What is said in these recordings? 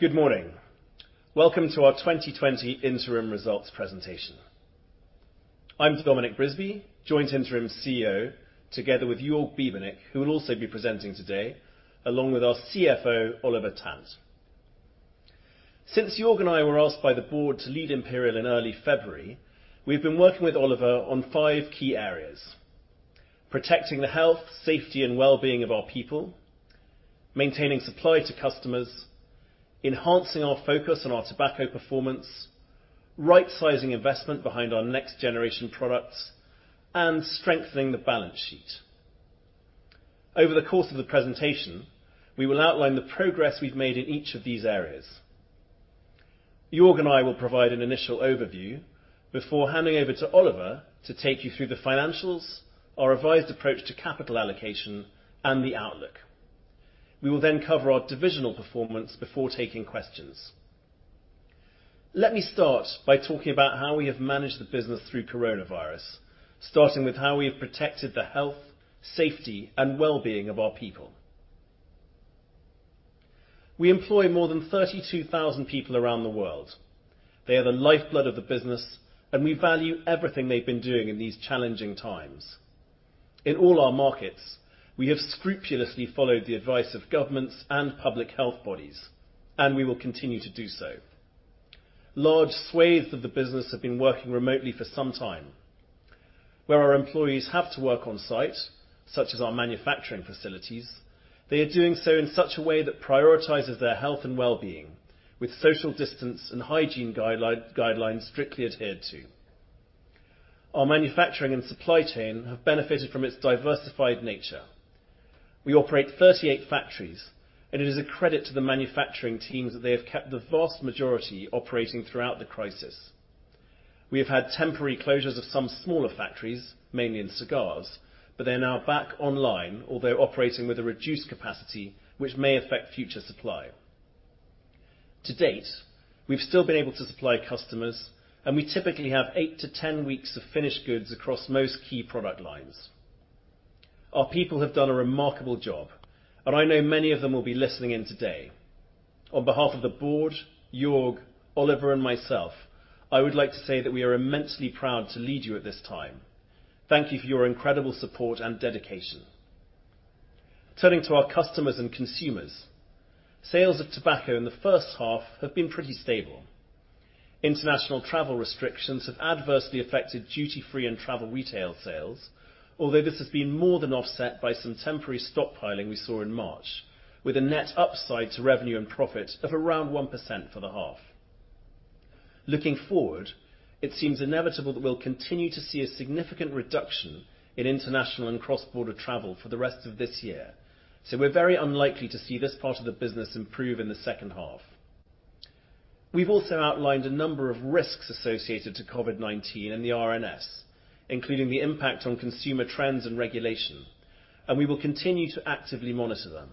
Good morning. Welcome to our 2020 interim results presentation. I'm Dominic Brisby, Joint Interim CEO, together with Jörg Biebernick, who will also be presenting today, along with our CFO, Oliver Tant. Since Jörg and I were asked by the board to lead Imperial in early February, we've been working with Oliver on five key areas. Protecting the health, safety, and wellbeing of our people, maintaining supply to customers, enhancing our focus on our tobacco performance, right-sizing investment behind our next generation products, and strengthening the balance sheet. Over the course of the presentation, we will outline the progress we've made in each of these areas. Jörg and I will provide an initial overview before handing over to Oliver to take you through the financials, our revised approach to capital allocation, and the outlook. We will then cover our divisional performance before taking questions. Let me start by talking about how we have managed the business through coronavirus, starting with how we have protected the health, safety, and wellbeing of our people. We employ more than 32,000 people around the world. They are the lifeblood of the business, and we value everything they've been doing in these challenging times. In all our markets, we have scrupulously followed the advice of governments and public health bodies, and we will continue to do so. Large swathes of the business have been working remotely for some time. Where our employees have to work on site, such as our manufacturing facilities, they are doing so in such a way that prioritizes their health and wellbeing with social distance and hygiene guidelines strictly adhered to. Our manufacturing and supply chain have benefited from its diversified nature. We operate 38 factories, and it is a credit to the manufacturing teams that they have kept the vast majority operating throughout the crisis. We have had temporary closures of some smaller factories, mainly in cigars, but they're now back online, although operating with a reduced capacity, which may affect future supply. To date, we've still been able to supply customers, and we typically have 8 to 10 weeks of finished goods across most key product lines. Our people have done a remarkable job, and I know many of them will be listening in today. On behalf of the board, Jörg, Oliver, and myself, I would like to say that we are immensely proud to lead you at this time. Thank you for your incredible support and dedication. Turning to our customers and consumers, sales of tobacco in the first half have been pretty stable. International travel restrictions have adversely affected duty-free and travel retail sales, although this has been more than offset by some temporary stockpiling we saw in March with a net upside to revenue and profit of around 1% for the half. Looking forward, it seems inevitable that we'll continue to see a significant reduction in international and cross-border travel for the rest of this year. We're very unlikely to see this part of the business improve in the second half. We've also outlined a number of risks associated to COVID-19 and the RNS, including the impact on consumer trends and regulation, and we will continue to actively monitor them.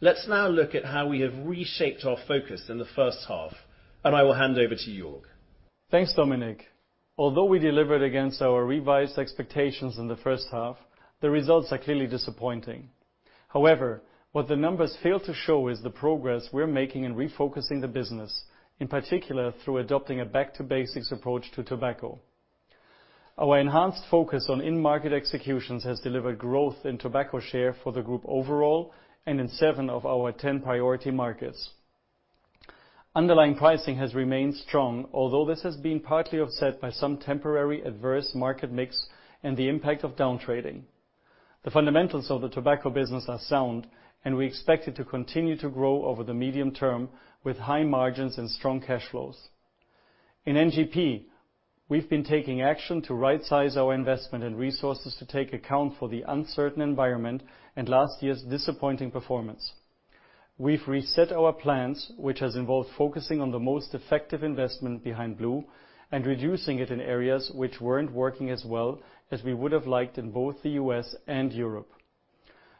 Let's now look at how we have reshaped our focus in the first half, and I will hand over to Jörg. Thanks, Dominic. Although we delivered against our revised expectations in the first half, the results are clearly disappointing. However, what the numbers fail to show is the progress we're making in refocusing the business, in particular, through adopting a back-to-basics approach to tobacco. Our enhanced focus on in-market executions has delivered growth in tobacco share for the group overall and in seven of our 10 priority markets. Underlying pricing has remained strong, although this has been partly offset by some temporary adverse market mix and the impact of down trading. The fundamentals of the tobacco business are sound, and we expect it to continue to grow over the medium term with high margins and strong cash flows. In NGP, we've been taking action to right-size our investment and resources to take account for the uncertain environment and last year's disappointing performance. We've reset our plans, which has involved focusing on the most effective investment behind blu and reducing it in areas which weren't working as well as we would have liked in both the U.S. and Europe.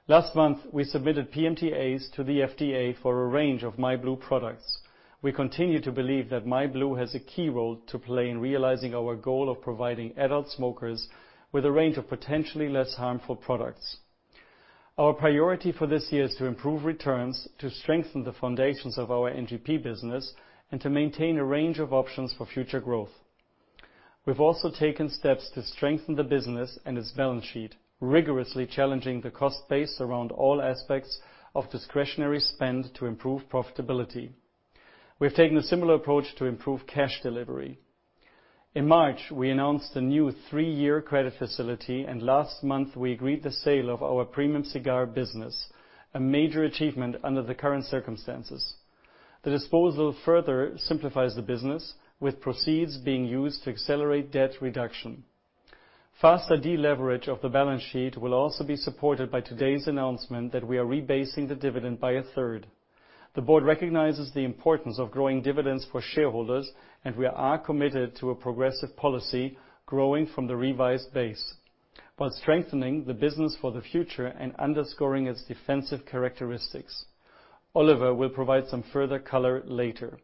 Last month, we submitted PMTAs to the FDA for a range of myblu products. We continue to believe that myblu has a key role to play in realizing our goal of providing adult smokers with a range of potentially less harmful products. Our priority for this year is to improve returns, to strengthen the foundations of our NGP business, and to maintain a range of options for future growth. We've also taken steps to strengthen the business and its balance sheet, rigorously challenging the cost base around all aspects of discretionary spend to improve profitability. We've taken a similar approach to improve cash delivery. In March, we announced a new 3-year credit facility. Last month, we agreed the sale of our Premium Cigars business, a major achievement under the current circumstances. The disposal further simplifies the business with proceeds being used to accelerate debt reduction. Faster deleverage of the balance sheet will also be supported by today's announcement that we are rebasing the dividend by a third. The board recognizes the importance of growing dividends for shareholders. We are committed to a progressive policy growing from the revised base while strengthening the business for the future and underscoring its defensive characteristics. Oliver will provide some further color later.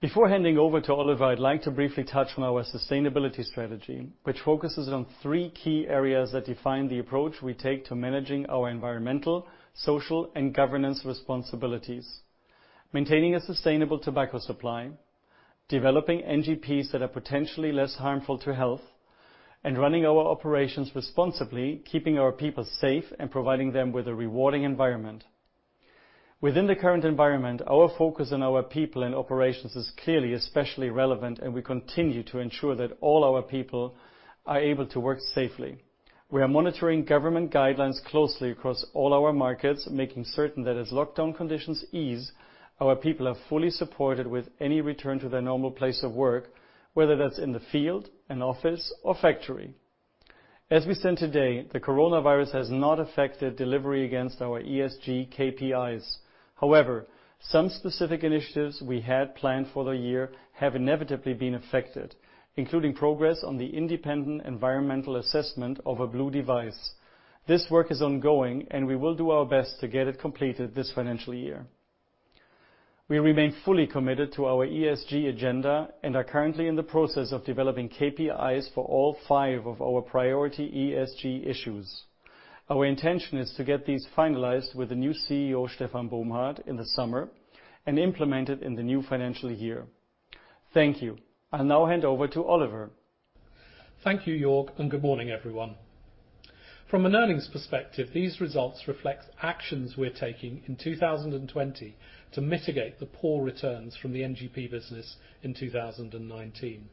Before handing over to Oliver, I'd like to briefly touch on our sustainability strategy, which focuses on three key areas that define the approach we take to managing our environmental, social, and governance responsibilities. Maintaining a sustainable tobacco supply, developing NGPs that are potentially less harmful to health, and running our operations responsibly, keeping our people safe, and providing them with a rewarding environment. Within the current environment, our focus on our people and operations is clearly especially relevant, and we continue to ensure that all our people are able to work safely. We are monitoring government guidelines closely across all our markets, making certain that as lockdown conditions ease, our people are fully supported with any return to their normal place of work, whether that's in the field, an office or factory. As we stand today, the coronavirus has not affected delivery against our ESG KPIs. However, some specific initiatives we had planned for the year have inevitably been affected, including progress on the independent environmental assessment of a blu device. This work is ongoing. We will do our best to get it completed this financial year. We remain fully committed to our ESG agenda and are currently in the process of developing KPIs for all five of our priority ESG issues. Our intention is to get these finalized with the new CEO, Stefan Bomhard, in the summer and implement it in the new financial year. Thank you. I'll now hand over to Oliver. Thank you, Jörg, good morning, everyone. From an earnings perspective, these results reflect actions we're taking in 2020 to mitigate the poor returns from the NGP business in 2019.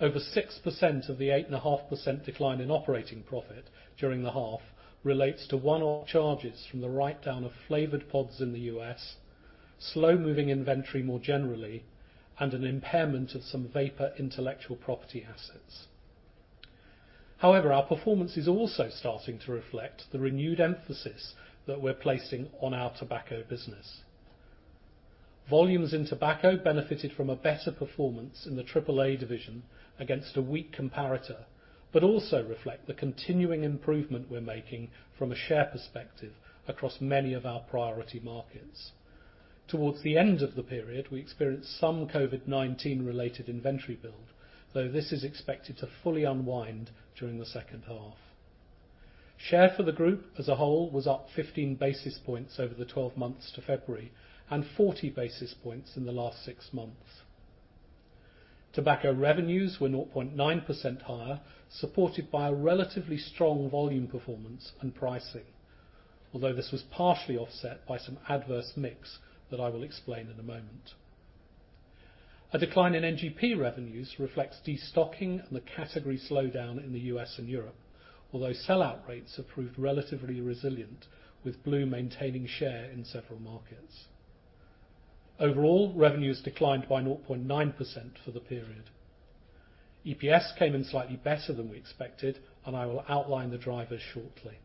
Over 6% of the 8.5% decline in operating profit during the half relates to one-off charges from the write-down of flavored pods in the U.S., slow-moving inventory more generally, and an impairment of some vapor intellectual property assets. Our performance is also starting to reflect the renewed emphasis that we're placing on our tobacco business. Volumes in tobacco benefited from a better performance in the AAA division against a weak comparator, also reflect the continuing improvement we're making from a share perspective across many of our priority markets. Towards the end of the period, we experienced some COVID-19 related inventory build, though this is expected to fully unwind during the second half. Share for the group as a whole was up 15 basis points over the 12 months to February and 40 basis points in the last six months. Tobacco revenues were 0.9% higher, supported by a relatively strong volume performance and pricing. This was partially offset by some adverse mix that I will explain in a moment. A decline in NGP revenues reflects destocking and the category slowdown in the U.S. and Europe. Sell-out rates have proved relatively resilient, with blu maintaining share in several markets. Overall, revenues declined by 0.9% for the period. EPS came in slightly better than we expected. I will outline the drivers shortly.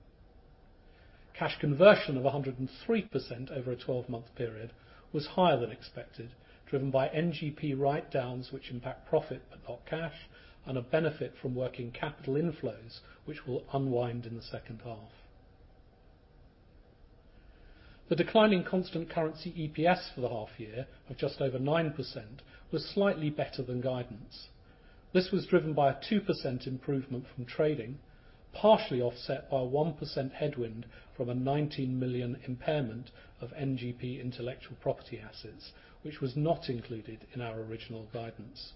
Cash conversion of 103% over a 12-month period was higher than expected, driven by NGP write-downs, which impact profit but not cash, and a benefit from working capital inflows, which will unwind in the second half. The decline in constant currency EPS for the half year of just over 9% was slightly better than guidance. This was driven by a 2% improvement from trading, partially offset by a 1% headwind from a 19 million impairment of NGP intellectual property assets, which was not included in our original guidance.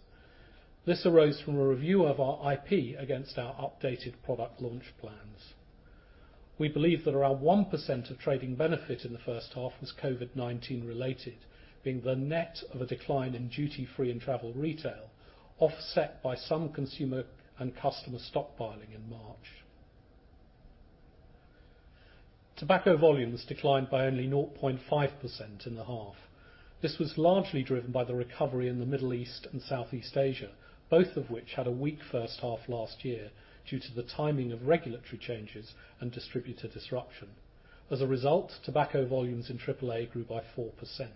This arose from a review of our IP against our updated product launch plans. We believe that around 1% of trading benefit in the first half was COVID-19 related, being the net of a decline in duty-free and travel retail, offset by some consumer and customer stockpiling in March. Tobacco volumes declined by only 0.5% in the half. This was largely driven by the recovery in the Middle East and Southeast Asia, both of which had a weak first half last year due to the timing of regulatory changes and distributor disruption. As a result, tobacco volumes in AAA grew by 4%.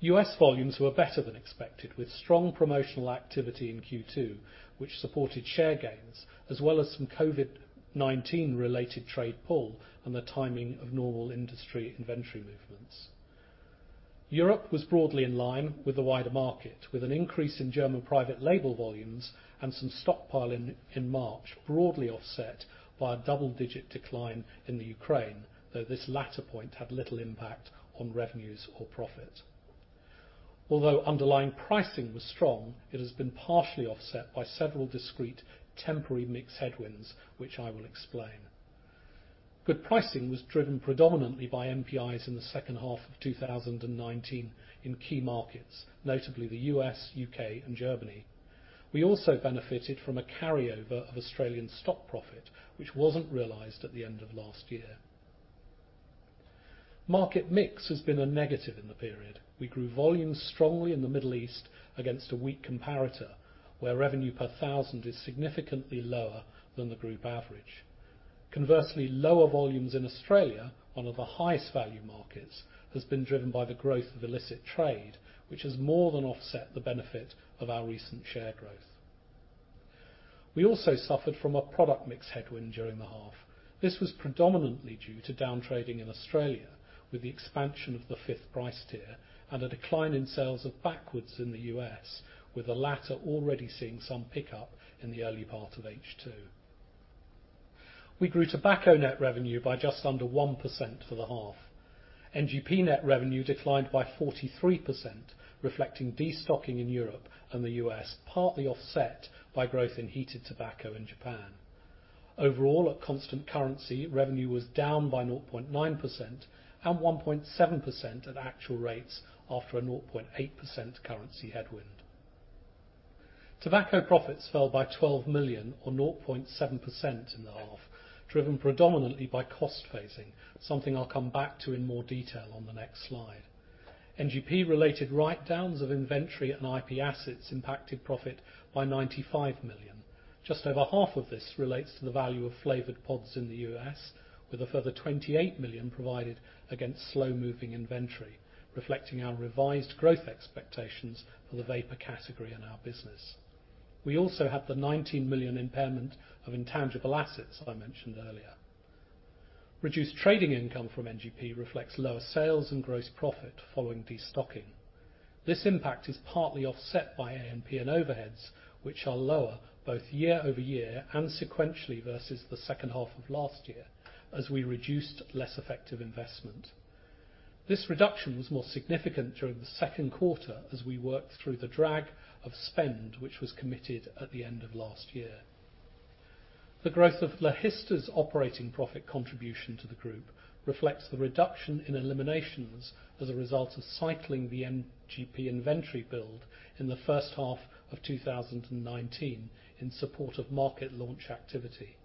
U.S. volumes were better than expected, with strong promotional activity in Q2, which supported share gains as well as some COVID-19 related trade pull and the timing of normal industry inventory movements. Europe was broadly in line with the wider market, with an increase in German private label volumes and some stockpiling in March, broadly offset by a double-digit decline in the Ukraine, though this latter point had little impact on revenues or profit. Although underlying pricing was strong, it has been partially offset by several discrete temporary mix headwinds, which I will explain. Good pricing was driven predominantly by MPIs in the second half of 2019 in key markets, notably the U.S., U.K. and Germany. We also benefited from a carryover of Australian stock profit, which wasn't realized at the end of last year. Market mix has been a negative in the period. We grew volumes strongly in the Middle East against a weak comparator, where revenue per thousand is significantly lower than the group average. Conversely, lower volumes in Australia, one of the highest value markets, has been driven by the growth of illicit trade, which has more than offset the benefit of our recent share growth. We also suffered from a product mix headwind during the half. This was predominantly due to down trading in Australia with the expansion of the fifth price tier, and a decline in sales of Backwoods in the U.S., with the latter already seeing some pickup in the early part of H2. We grew tobacco net revenue by just under 1% for the half. NGP net revenue declined by 43%, reflecting destocking in Europe and the U.S., partly offset by growth in heated tobacco in Japan. Overall, at constant currency, revenue was down by 0.9% and 1.7% at actual rates after a 0.8% currency headwind. Tobacco profits fell by 12 million or 0.7% in the half, driven predominantly by cost phasing, something I'll come back to in more detail on the next slide. NGP related write-downs of inventory and IP assets impacted profit by 95 million. Just over half of this relates to the value of flavored pods in the U.S., with a further 28 million provided against slow-moving inventory, reflecting our revised growth expectations for the vapor category in our business. We also have the 19 million impairment of intangible assets that I mentioned earlier. Reduced trading income from NGP reflects lower sales and gross profit following destocking. This impact is partly offset by A&P and overheads, which are lower both year-over-year and sequentially versus the second half of last year, as we reduced less effective investment. This reduction was more significant during the second quarter as we worked through the drag of spend, which was committed at the end of last year. The growth of Logista's operating profit contribution to the group reflects the reduction in eliminations as a result of cycling the NGP inventory build in the first half of 2019 in support of market launch activity.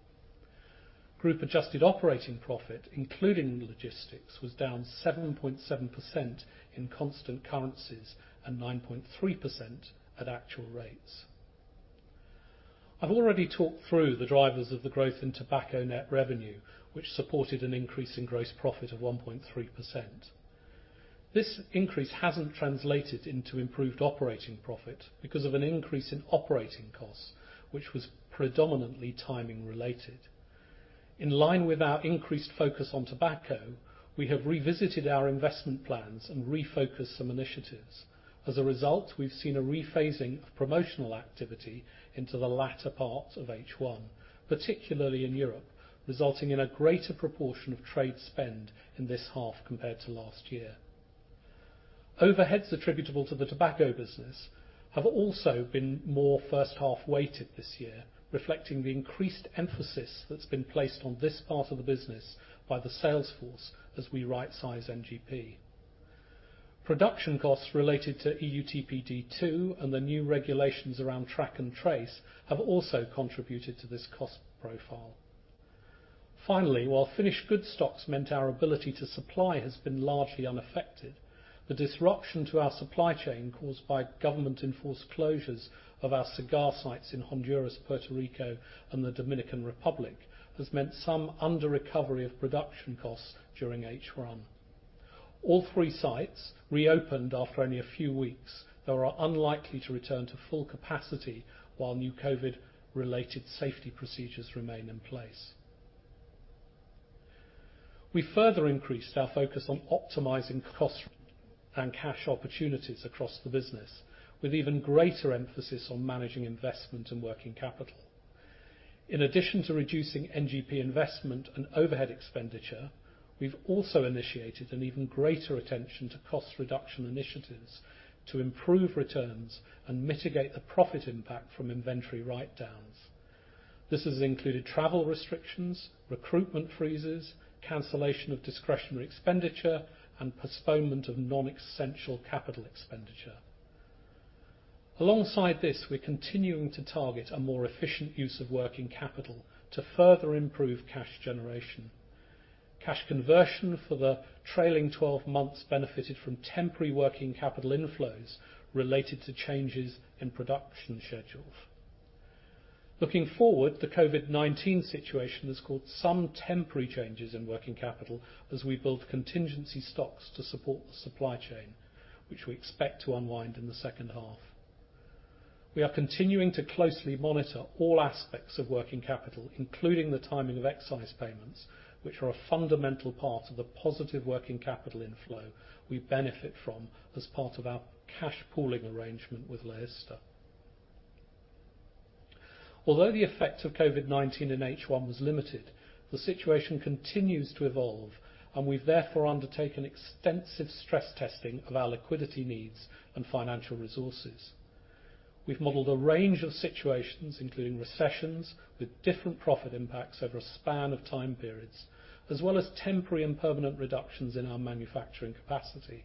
Group adjusted operating profit, including logistics, was down 7.7% in constant currencies and 9.3% at actual rates. I've already talked through the drivers of the growth in tobacco net revenue, which supported an increase in gross profit of 1.3%. This increase hasn't translated into improved operating profit because of an increase in operating costs, which was predominantly timing related. In line with our increased focus on tobacco, we have revisited our investment plans and refocused some initiatives. As a result, we've seen a rephasing of promotional activity into the latter part of H1, particularly in Europe, resulting in a greater proportion of trade spend in this half compared to last year. Overheads attributable to the tobacco business have also been more first half weighted this year, reflecting the increased emphasis that's been placed on this part of the business by the sales force as we rightsize NGP. Production costs related to EU TPD2 and the new regulations around track and trace have also contributed to this cost profile. While finished goods stocks meant our ability to supply has been largely unaffected, the disruption to our supply chain caused by government enforced closures of our cigar sites in Honduras, Puerto Rico, and the Dominican Republic, has meant some under recovery of production costs during H1. All three sites reopened after only a few weeks, though are unlikely to return to full capacity while new COVID related safety procedures remain in place. We further increased our focus on optimizing cost and cash opportunities across the business, with even greater emphasis on managing investment and working capital. In addition to reducing NGP investment and overhead expenditure, we've also initiated an even greater attention to cost reduction initiatives to improve returns and mitigate the profit impact from inventory write-downs. This has included travel restrictions, recruitment freezes, cancellation of discretionary expenditure, and postponement of non-essential capital expenditure. Alongside this, we're continuing to target a more efficient use of working capital to further improve cash generation. Cash conversion for the trailing 12 months benefited from temporary working capital inflows related to changes in production schedules. Looking forward, the COVID-19 situation has caused some temporary changes in working capital as we build contingency stocks to support the supply chain, which we expect to unwind in the second half. We are continuing to closely monitor all aspects of working capital, including the timing of excise payments, which are a fundamental part of the positive working capital inflow we benefit from as part of our cash pooling arrangement with Logista. Although the effects of COVID-19 in H1 was limited, the situation continues to evolve, and we've therefore undertaken extensive stress testing of our liquidity needs and financial resources. We've modeled a range of situations, including recessions with different profit impacts over a span of time periods, as well as temporary and permanent reductions in our manufacturing capacity.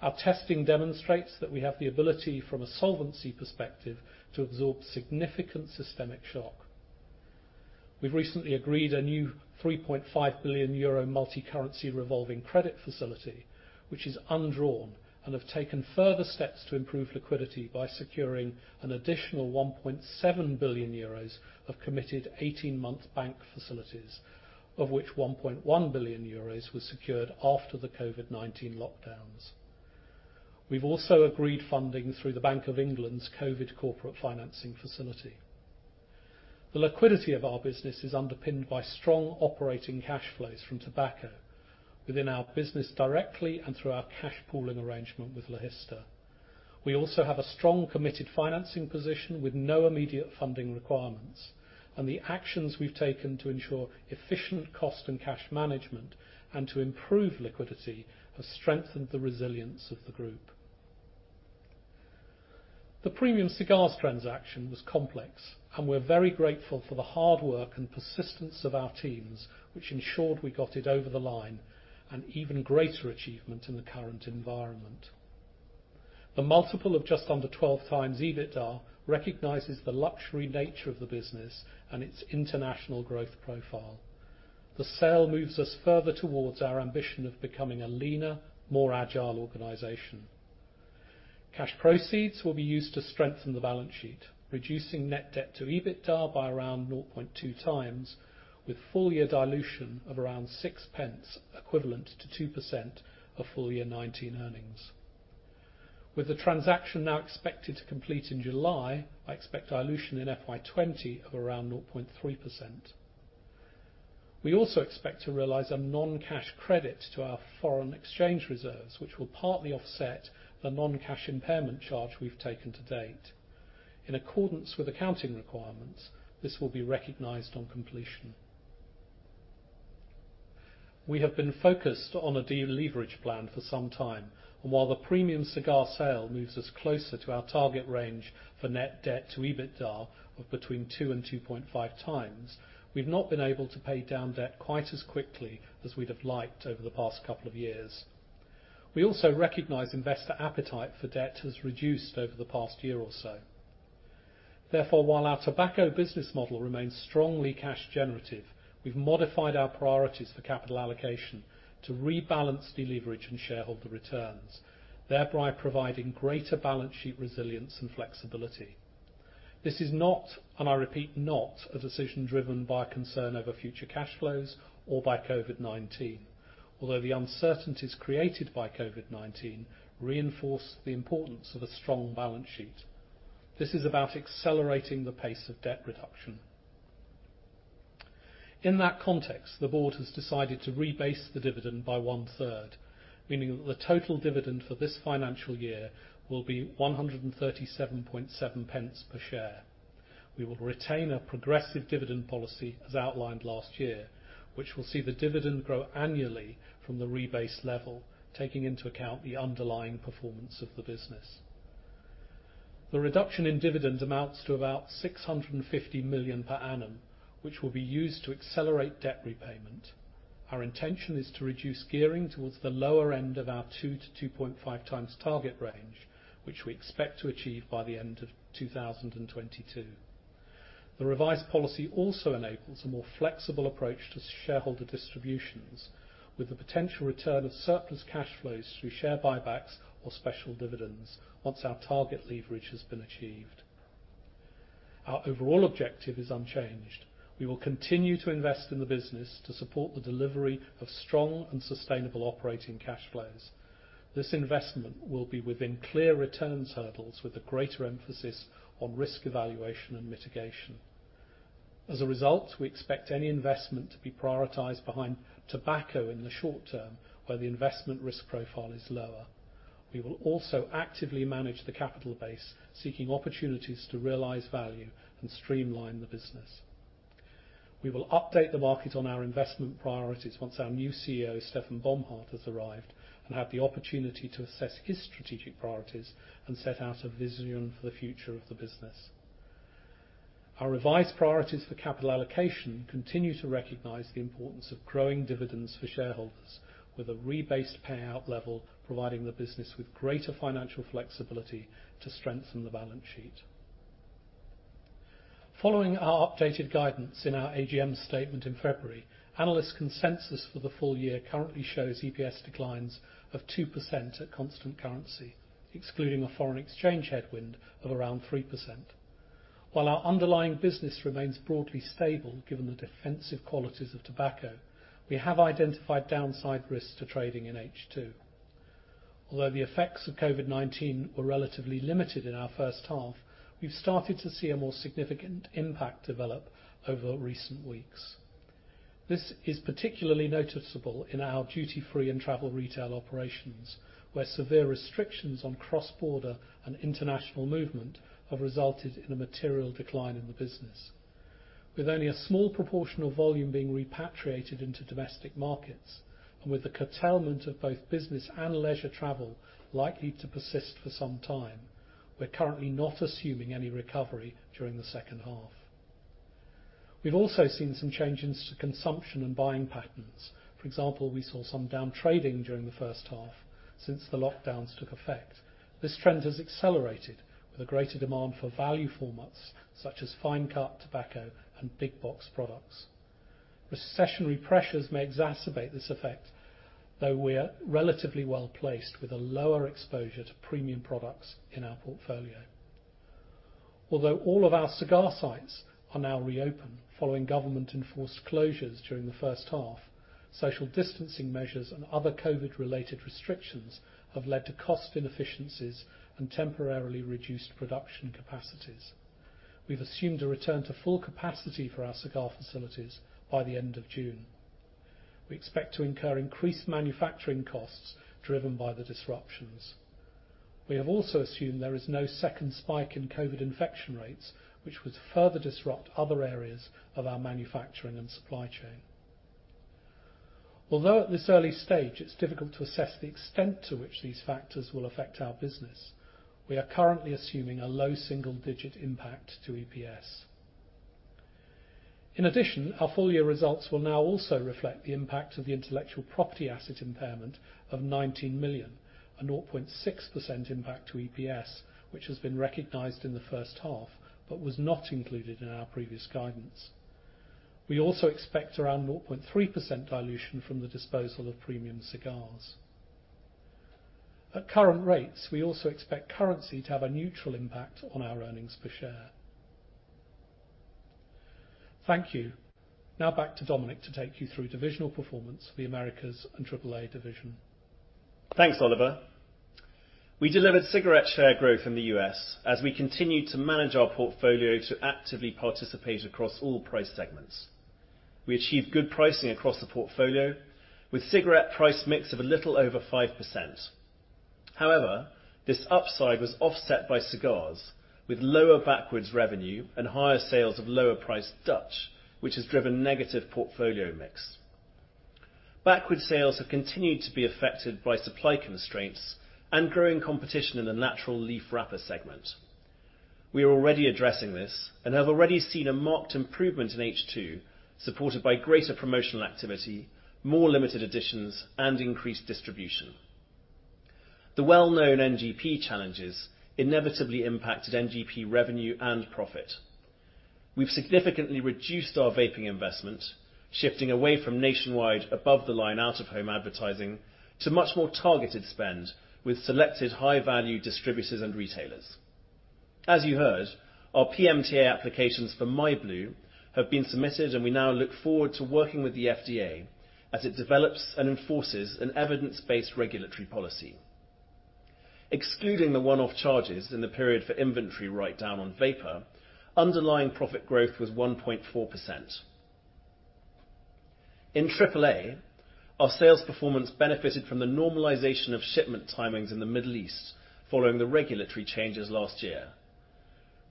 Our testing demonstrates that we have the ability from a solvency perspective to absorb significant systemic shock. We've recently agreed a new €3.5 billion multicurrency revolving credit facility, which is undrawn and have taken further steps to improve liquidity by securing an additional €1.7 billion of committed 18-month bank facilities, of which €1.1 billion was secured after the COVID-19 lockdowns. We've also agreed funding through the Bank of England's COVID Corporate Financing Facility. The liquidity of our business is underpinned by strong operating cash flows from tobacco within our business directly and through our cash pooling arrangement with Logista. We also have a strong, committed financing position with no immediate funding requirements, and the actions we've taken to ensure efficient cost and cash management and to improve liquidity has strengthened the resilience of the group. The Premium Cigars transaction was complex, and we're very grateful for the hard work and persistence of our teams, which ensured we got it over the line, an even greater achievement in the current environment. The multiple of just under 12x EBITDA recognizes the luxury nature of the business and its international growth profile. The sale moves us further towards our ambition of becoming a leaner, more agile organization. Cash proceeds will be used to strengthen the balance sheet, reducing net debt to EBITDA by around 0.2 times, with full year dilution of around 0.06, equivalent to 2% of full year 2019 earnings. With the transaction now expected to complete in July, I expect dilution in FY 2020 of around 0.3%. We also expect to realize a non-cash credit to our foreign exchange reserves, which will partly offset the non-cash impairment charge we've taken to date. In accordance with accounting requirements, this will be recognized on completion. While the Premium Cigar sale moves us closer to our target range for net debt to EBITDA of between two and 2.5 times, we've not been able to pay down debt quite as quickly as we'd have liked over the past couple of years. We also recognize investor appetite for debt has reduced over the past year or so. Therefore, while our tobacco business model remains strongly cash generative, I've modified our priorities for capital allocation to rebalance deleverage and shareholder returns, thereby providing greater balance sheet resilience and flexibility. This is not, and I repeat, not a decision driven by concern over future cash flows or by COVID-19, although the uncertainties created by COVID-19 reinforce the importance of a strong balance sheet. This is about accelerating the pace of debt reduction. In that context, the board has decided to rebase the dividend by one-third, meaning that the total dividend for this financial year will be 1.377 per share. We will retain a progressive dividend policy as outlined last year, which will see the dividend grow annually from the rebased level, taking into account the underlying performance of the business. The reduction in dividend amounts to about 650 million per annum, which will be used to accelerate debt repayment. Our intention is to reduce gearing towards the lower end of our 2-2.5 times target range, which we expect to achieve by the end of 2022. The revised policy also enables a more flexible approach to shareholder distributions, with the potential return of surplus cash flows through share buybacks or special dividends once our target leverage has been achieved. Our overall objective is unchanged. We will continue to invest in the business to support the delivery of strong and sustainable operating cash flows. This investment will be within clear return hurdles with a greater emphasis on risk evaluation and mitigation. We expect any investment to be prioritized behind tobacco in the short term, where the investment risk profile is lower. We will also actively manage the capital base, seeking opportunities to realize value and streamline the business. We will update the market on our investment priorities once our new CEO, Stefan Bomhard, has arrived and had the opportunity to assess his strategic priorities and set out a vision for the future of the business. Our revised priorities for capital allocation continue to recognize the importance of growing dividends for shareholders with a rebased payout level, providing the business with greater financial flexibility to strengthen the balance sheet. Following our updated guidance in our AGM statement in February, analyst consensus for the full year currently shows EPS declines of 2% at constant currency, excluding a foreign exchange headwind of around 3%. While our underlying business remains broadly stable given the defensive qualities of tobacco, we have identified downside risks to trading in H2. Although the effects of COVID-19 were relatively limited in our first half, we've started to see a more significant impact develop over recent weeks. This is particularly noticeable in our duty-free and travel retail operations, where severe restrictions on cross-border and international movement have resulted in a material decline in the business. With only a small proportion of volume being repatriated into domestic markets, and with the curtailment of both business and leisure travel likely to persist for some time, we're currently not assuming any recovery during the second half. We've also seen some changes to consumption and buying patterns. For example, we saw some down trading during the first half since the lockdowns took effect. This trend has accelerated with a greater demand for value formats such as fine cut tobacco and big box products. Recessionary pressures may exacerbate this effect, though we're relatively well-placed with a lower exposure to premium products in our portfolio. Although all of our cigar sites are now reopen following government enforced closures during the first half, social distancing measures and other COVID related restrictions have led to cost inefficiencies and temporarily reduced production capacities. We've assumed a return to full capacity for our cigar facilities by the end of June. We expect to incur increased manufacturing costs driven by the disruptions. We have also assumed there is no second spike in COVID infection rates, which would further disrupt other areas of our manufacturing and supply chain. Although at this early stage it's difficult to assess the extent to which these factors will affect our business, we are currently assuming a low single digit impact to EPS. Our full year results will now also reflect the impact of the intellectual property asset impairment of 19 million, a 0.6% impact to EPS, which has been recognized in the first half, but was not included in our previous guidance. We also expect around 0.3% dilution from the disposal of Premium Cigars. At current rates, we also expect currency to have a neutral impact on our earnings per share. Thank you. Back to Dominic to take you through divisional performance for the Americas and AAA division. Thanks, Oliver. We delivered cigarette share growth in the U.S. as we continued to manage our portfolio to actively participate across all price segments. We achieved good pricing across the portfolio, with cigarette price mix of a little over 5%. However, this upside was offset by cigars, with lower Backwoods revenue and higher sales of lower priced Dutch Masters, which has driven negative portfolio mix. Backwoods sales have continued to be affected by supply constraints and growing competition in the natural leaf wrapper segment. We are already addressing this and have already seen a marked improvement in H2 supported by greater promotional activity, more limited editions, and increased distribution. The well-known NGP challenges inevitably impacted NGP revenue and profit. We've significantly reduced our vaping investment, shifting away from nationwide above the line out of home advertising to much more targeted spend with selected high value distributors and retailers. As you heard, our PMTA applications for myblu have been submitted, and we now look forward to working with the FDA as it develops and enforces an evidence-based regulatory policy. Excluding the one-off charges in the period for inventory write-down on vapor, underlying profit growth was 1.4%. In AAA, our sales performance benefited from the normalization of shipment timings in the Middle East following the regulatory changes last year.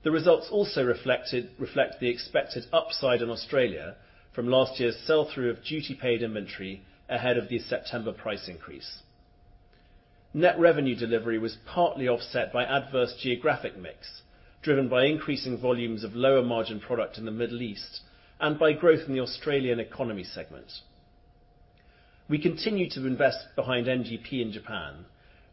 The results also reflect the expected upside in Australia from last year's sell-through of duty paid inventory ahead of the September price increase. Net revenue delivery was partly offset by adverse geographic mix, driven by increasing volumes of lower margin product in the Middle East, and by growth in the Australian economy segment. We continue to invest behind NGP in Japan,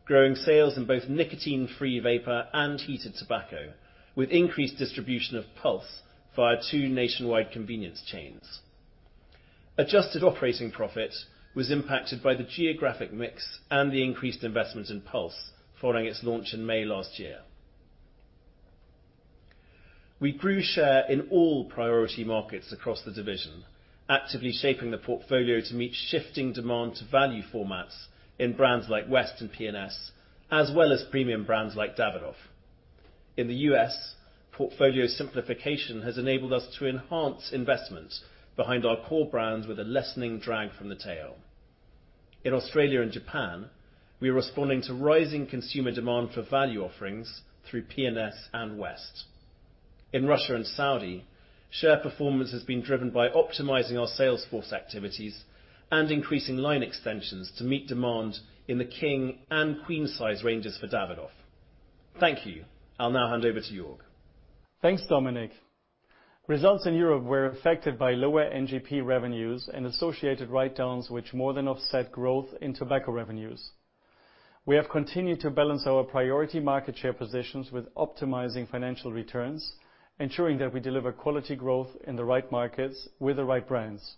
growing sales in both nicotine free vapor and heated tobacco with increased distribution of Pulze via two nationwide convenience chains. Adjusted operating profit was impacted by the geographic mix and the increased investment in Pulze following its launch in May last year. We grew share in all priority markets across the division, actively shaping the portfolio to meet shifting demand to value formats in brands like West and P&S, as well as premium brands like Davidoff. In the U.S., portfolio simplification has enabled us to enhance investment behind our core brands with a lessening drag from the tail. In Australia and Japan, we are responding to rising consumer demand for value offerings through P&S and West. In Russia and Saudi, share performance has been driven by optimizing our sales force activities and increasing line extensions to meet demand in the king and queen size ranges for Davidoff. Thank you. I'll now hand over to Jörg. Thanks, Dominic. Results in Europe were affected by lower NGP revenues and associated write-downs, which more than offset growth in tobacco revenues. We have continued to balance our priority market share positions with optimizing financial returns, ensuring that we deliver quality growth in the right markets with the right brands.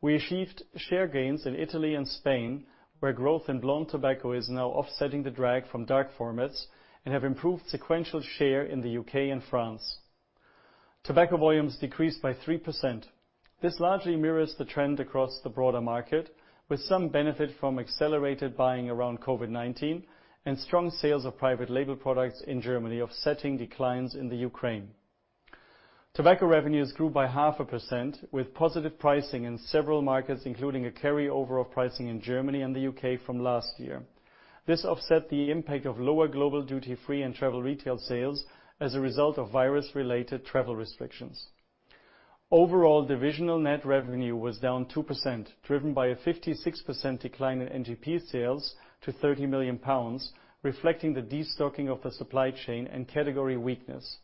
We achieved share gains in Italy and Spain, where growth in blonde tobacco is now offsetting the drag from dark formats and have improved sequential share in the U.K. and France. Tobacco volumes decreased by 3%. This largely mirrors the trend across the broader market, with some benefit from accelerated buying around COVID-19 and strong sales of private label products in Germany offsetting declines in Ukraine. Tobacco revenues grew by half a percent with positive pricing in several markets, including a carryover of pricing in Germany and the U.K. from last year. This offset the impact of lower global duty-free and travel retail sales as a result of virus-related travel restrictions. Overall, divisional net revenue was down 2%, driven by a 56% decline in NGP sales to 30 million pounds, reflecting the destocking of the supply chain and category weakness.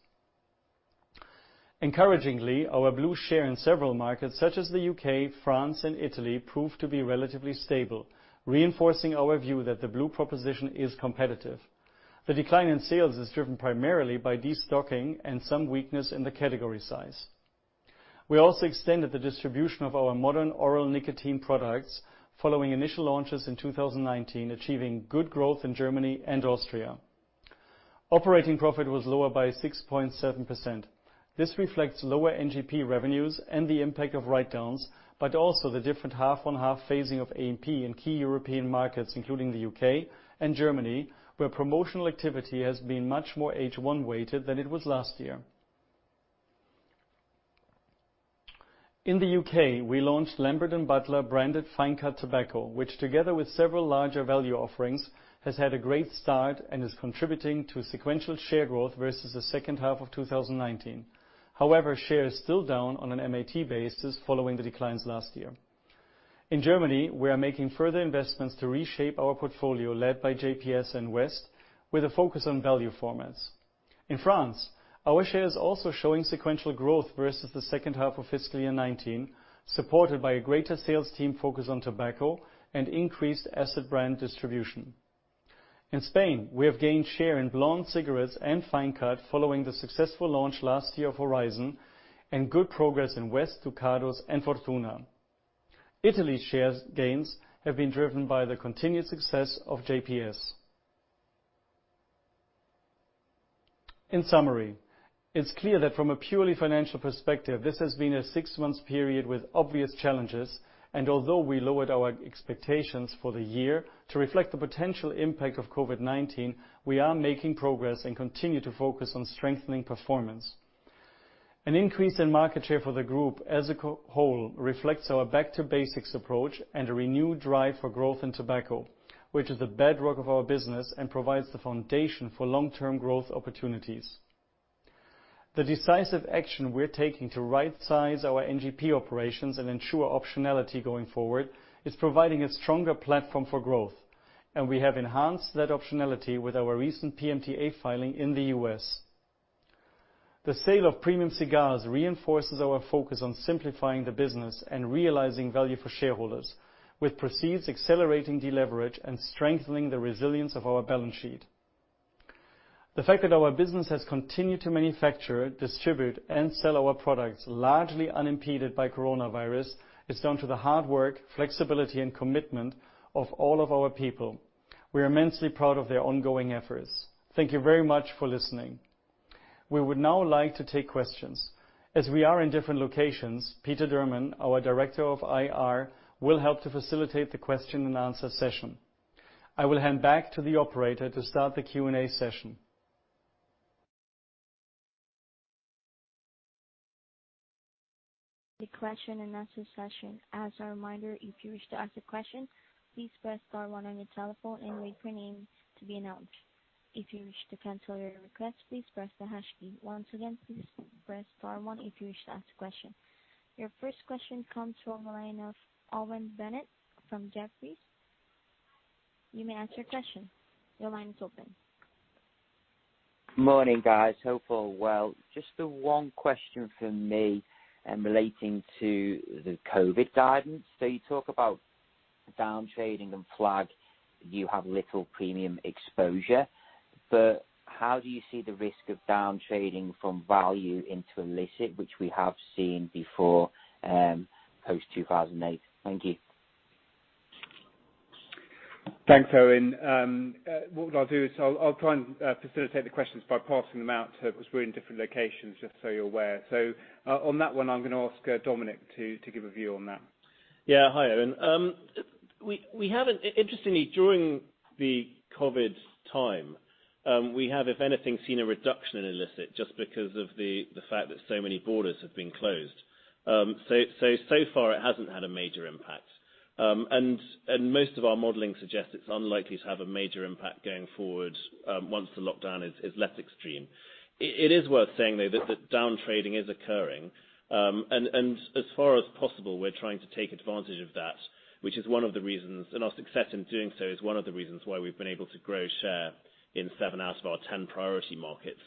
Encouragingly, our blu share in several markets such as the U.K., France, and Italy proved to be relatively stable, reinforcing our view that the blu proposition is competitive. The decline in sales is driven primarily by destocking and some weakness in the category size. We also extended the distribution of our modern oral nicotine products following initial launches in 2019, achieving good growth in Germany and Austria. Operating profit was lower by 6.7%. This reflects lower NGP revenues and the impact of write-downs, but also the different half-on-half phasing of A&P in key European markets, including the U.K. and Germany, where promotional activity has been much more H1 weighted than it was last year. In the U.K., we launched Lambert & Butler branded fine cut tobacco, which together with several larger value offerings, has had a great start and is contributing to sequential share growth versus the second half of 2019. However, share is still down on an MAT basis following the declines last year. In Germany, we are making further investments to reshape our portfolio, led by JPS and West, with a focus on value formats. In France, our share is also showing sequential growth versus the second half of fiscal year 2019, supported by a greater sales team focus on tobacco and increased asset brand distribution. In Spain, we have gained share in blonde cigarettes and fine cut following the successful launch last year of Horizon and good progress in West, Ducados, and Fortuna. Italy's shares gains have been driven by the continued success of JPS. In summary, it's clear that from a purely financial perspective, this has been a six months period with obvious challenges, and although we lowered our expectations for the year to reflect the potential impact of COVID-19, we are making progress and continue to focus on strengthening performance. An increase in market share for the group as a whole reflects our back to basics approach and a renewed drive for growth in tobacco, which is the bedrock of our business and provides the foundation for long-term growth opportunities. The decisive action we're taking to rightsize our NGP operations and ensure optionality going forward is providing a stronger platform for growth, and we have enhanced that optionality with our recent PMTA filing in the U.S. The sale of Premium Cigars reinforces our focus on simplifying the business and realizing value for shareholders, with proceeds accelerating deleverage and strengthening the resilience of our balance sheet. The fact that our business has continued to manufacture, distribute, and sell our products largely unimpeded by coronavirus is down to the hard work, flexibility, and commitment of all of our people. We are immensely proud of their ongoing efforts. Thank you very much for listening. We would now like to take questions. As we are in different locations, Peter Durman, our Director of IR, will help to facilitate the question and answer session. I will hand back to the operator to start the Q&A session. The question and answer session. As a reminder, if you wish to ask a question, please press star one on your telephone and wait for your name to be announced. If you wish to cancel your request, please press the hash key. Once again, please press star one if you wish to ask a question. Your first question comes from the line of Owen Bennett from Jefferies. You may ask your question. Your line is open. Morning, guys. Hope all well. Just the one question from me relating to the COVID guidance. You talk about downtrading and flag you have little premium exposure, but how do you see the risk of downtrading from value into illicit, which we have seen before post-2008? Thank you. Thanks, Owen. What I'll do is I'll try and facilitate the questions by passing them out because we're in different locations, just so you're aware. On that one, I'm going to ask Dominic to give a view on that. Yeah. Hi, Owen. Interestingly, during the COVID time, we have, if anything, seen a reduction in illicit just because of the fact that so many borders have been closed. So far it hasn't had a major impact. Most of our modeling suggests it's unlikely to have a major impact going forward once the lockdown is less extreme. It is worth saying, though, that downtrading is occurring, and as far as possible, we're trying to take advantage of that, and our success in doing so is one of the reasons why we've been able to grow share in seven out of our 10 priority markets.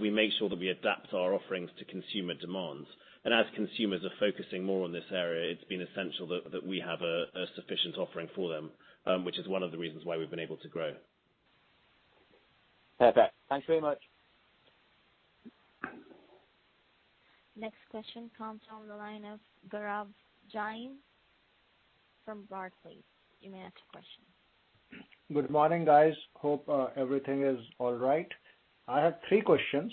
We make sure that we adapt our offerings to consumer demands, and as consumers are focusing more on this area, it's been essential that we have a sufficient offering for them, which is one of the reasons why we've been able to grow. Perfect. Thanks very much. Next question comes from the line of Gaurav Jain from Barclays. You may ask your question. Good morning, guys. Hope everything is all right. I have three questions.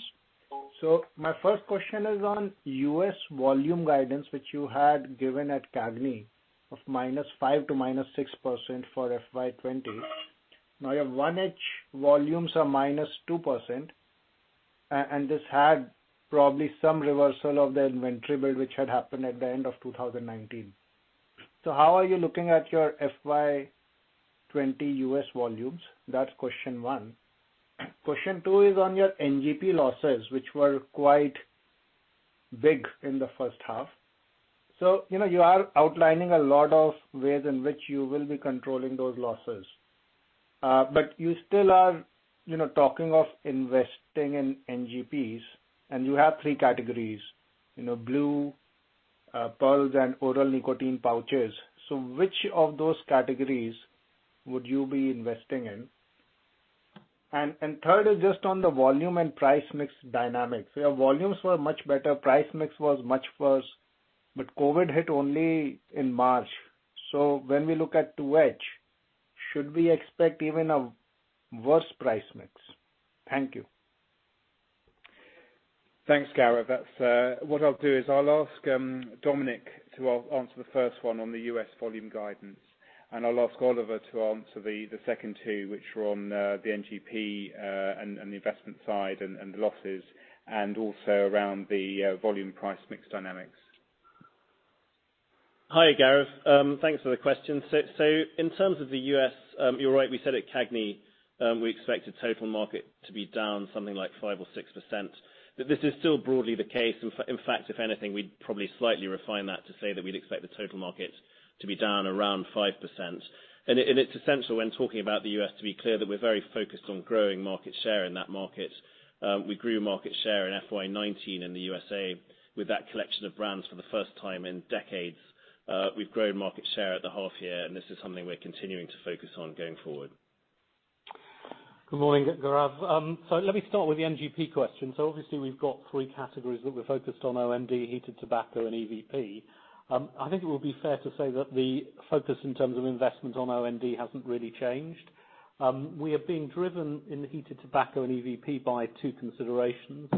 My first question is on U.S. volume guidance, which you had given at CAGNY of -5% to -6% for FY 2020. Now your 1H volumes are -2%, and this had probably some reversal of the inventory build which had happened at the end of 2019. How are you looking at your FY 2020 U.S. volumes? That's question one. Question two is on your NGP losses, which were quite big in the first half. You are outlining a lot of ways in which you will be controlling those losses. You still are talking of investing in NGPs, and you have three categories, blu, Pulze, and oral nicotine pouches. Which of those categories would you be investing in? Third is just on the volume and price mix dynamics. Your volumes were much better. Price mix was much worse, but COVID hit only in March. When we look at 2H, should we expect even a worse price mix? Thank you. Thanks, Gaurav. What I'll do is I'll ask Dominic to answer the first one on the U.S. volume guidance, I'll ask Oliver to answer the second two, which are on the NGP and the investment side and the losses, and also around the volume price mix dynamics. Hi, Gaurav. Thanks for the question. In terms of the U.S., you're right, we said at CAGNY we expected total market to be down something like 5% or 6%, but this is still broadly the case. In fact, if anything, we'd probably slightly refine that to say that we'd expect the total market to be down around 5%. It's essential when talking about the U.S. to be clear that we're very focused on growing market share in that market. We grew market share in FY 2019 in the U.S. with that collection of brands for the first time in decades. We've grown market share at the half year, and this is something we're continuing to focus on going forward. Good morning, Gaurav. Let me start with the NGP question. Obviously we've got three categories that we're focused on, MON, heated tobacco, and EVP. I think it would be fair to say that the focus in terms of investment on MON hasn't really changed. We are being driven in the heated tobacco and EVP by two considerations,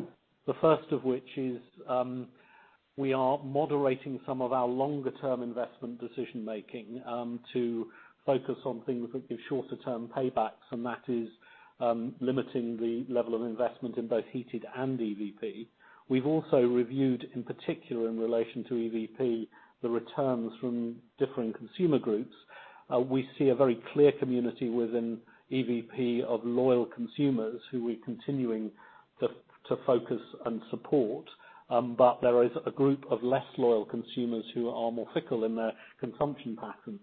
the first of which is we are moderating some of our longer term investment decision making to focus on things which give shorter term paybacks, and that is limiting the level of investment in both heated and EVP. We've also reviewed, in particular in relation to EVP, the returns from different consumer groups. We see a very clear community within EVP of loyal consumers who we're continuing to focus and support. There is a group of less loyal consumers who are more fickle in their consumption patterns,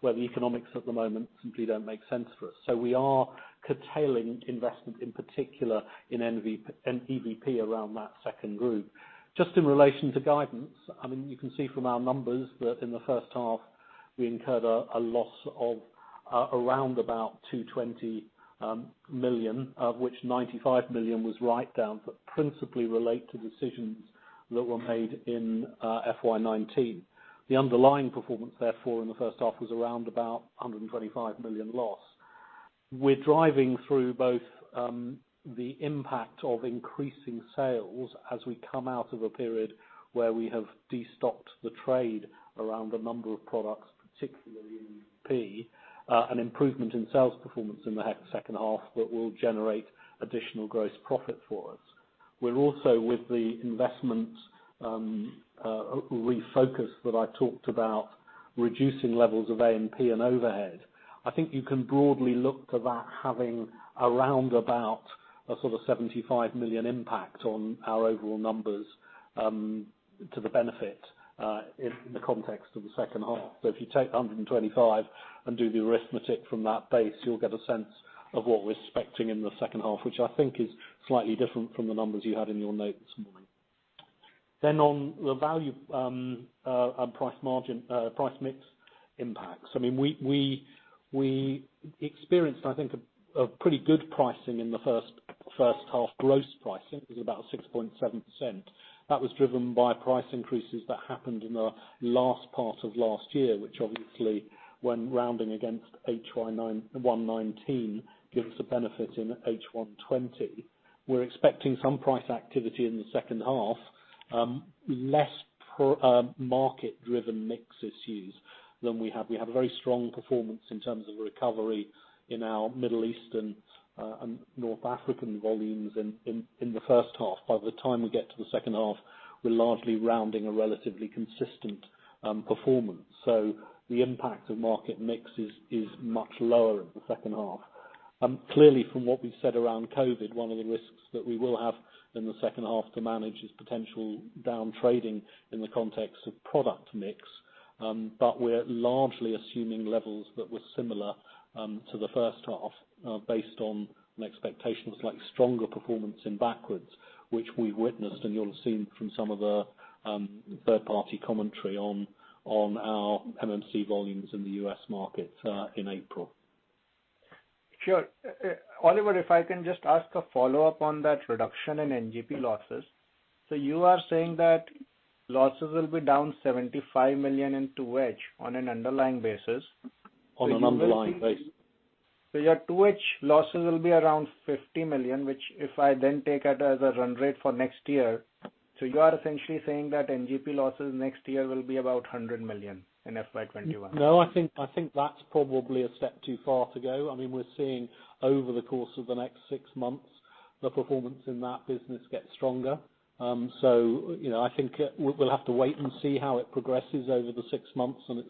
where the economics at the moment simply don't make sense for us. We are curtailing investment in particular in EVP around that second group. Just in relation to guidance, you can see from our numbers that in the first half we incurred a loss of around about 220 million, of which 95 million was write-downs that principally relate to decisions that were made in FY 2019. The underlying performance, therefore, in the first half was around about 125 million loss. We're driving through both the impact of increasing sales as we come out of a period where we have de-stocked the trade around a number of products, particularly in EVP, an improvement in sales performance in the second half that will generate additional gross profit for us. We're with the investment refocus that I talked about, reducing levels of A&P and overhead. I think you can broadly look to that having around about a sort of 75 million impact on our overall numbers, to the benefit in the context of the second half. If you take 125 and do the arithmetic from that base, you'll get a sense of what we're expecting in the second half, which I think is slightly different from the numbers you had in your notes this morning. On the value and price mix impacts, we experienced, I think, a pretty good pricing in the first half. Gross pricing was about 6.7%. That was driven by price increases that happened in the last part of last year, which obviously when rounding against H1 2019, gives a benefit in H1 2020. We're expecting some price activity in the second half. Less market driven mix issues than we have. We have a very strong performance in terms of recovery in our Middle Eastern and North African volumes in the first half. By the time we get to the second half, we're largely rounding a relatively consistent performance. The impact of market mix is much lower in the second half. Clearly from what we've said around COVID, one of the risks that we will have in the second half to manage is potential down trading in the context of product mix. We're largely assuming levels that were similar to the first half based on expectations like stronger performance in Backwoods, which we've witnessed. You'll have seen from some of the third party commentary on our OTP volumes in the U.S. market in April. Sure. Oliver, if I can just ask a follow-up on that reduction in NGP losses. You are saying that losses will be down 75 million in 2020 on an underlying basis. On an underlying basis. Your two-edge losses will be around 50 million, which if I then take it as a run rate for next year. You are essentially saying that NGP losses next year will be about 100 million in FY 2021. I think that's probably a step too far to go. We're seeing over the course of the next 6 months, the performance in that business get stronger. I think we'll have to wait and see how it progresses over the 6 months, and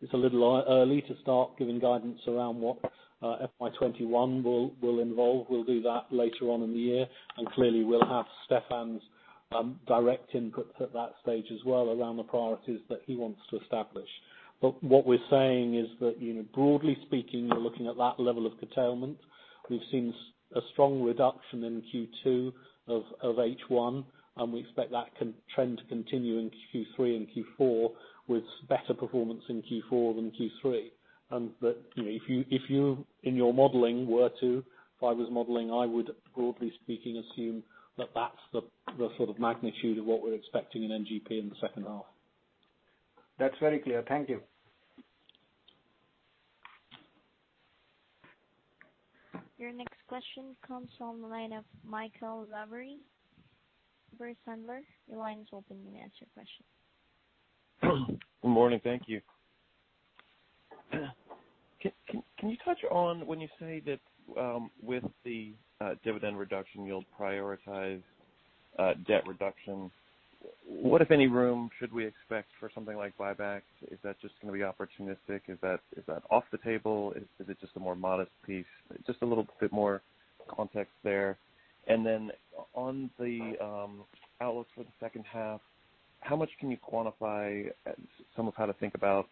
it's a little early to start giving guidance around what FY 2021 will involve. We'll do that later on in the year, and clearly we'll have Stefan's direct input at that stage as well around the priorities that he wants to establish. What we're saying is that, broadly speaking, we're looking at that level of curtailment. We've seen a strong reduction in Q2 of H1, and we expect that trend to continue in Q3 and Q4 with better performance in Q4 than Q3. That if you in your modeling were to, if I was modeling, I would broadly speaking assume that that's the sort of magnitude of what we're expecting in NGP in the second half. That is very clear. Thank you. Your next question comes from the line of Michael Lowery. Bruce Sandler, your line is open. You can ask your question. Good morning. Thank you. Can you touch on when you say that with the dividend reduction you'll prioritize debt reduction, what if any room should we expect for something like buybacks? Is that just going to be opportunistic? Is that off the table? Is it just a more modest piece? Just a little bit more context there. On the outlook for the second half, how much can you quantify some of how to think about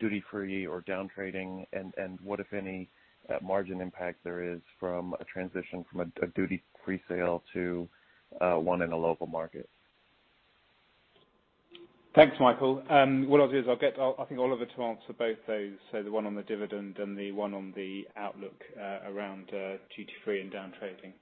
duty-free or down trading and what if any margin impact there is from a transition from a duty-free sale to one in a local market? Thanks, Michael. What I'll do is I'll get, I think, Oliver to answer both those, so the one on the dividend and the one on the outlook around duty-free and down trading.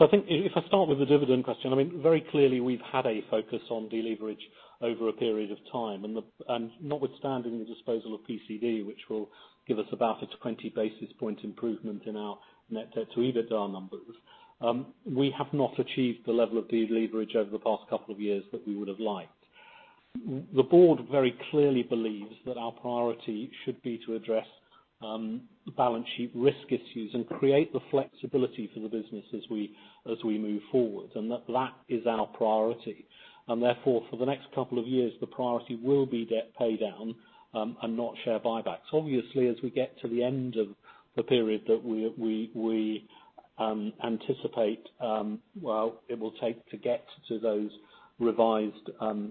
I think if I start with the dividend question, very clearly we've had a focus on deleverage over a period of time, and notwithstanding the disposal of PCD, which will give us about a 20 basis point improvement in our net debt to EBITDA numbers. We have not achieved the level of deleverage over the past couple of years that we would've liked. The board very clearly believes that our priority should be to address balance sheet risk issues and create the flexibility for the business as we move forward, and that is our priority. Therefore, for the next couple of years, the priority will be debt paydown, and not share buybacks. Obviously, as we get to the end of the period that we anticipate, well, it will take to get to those revised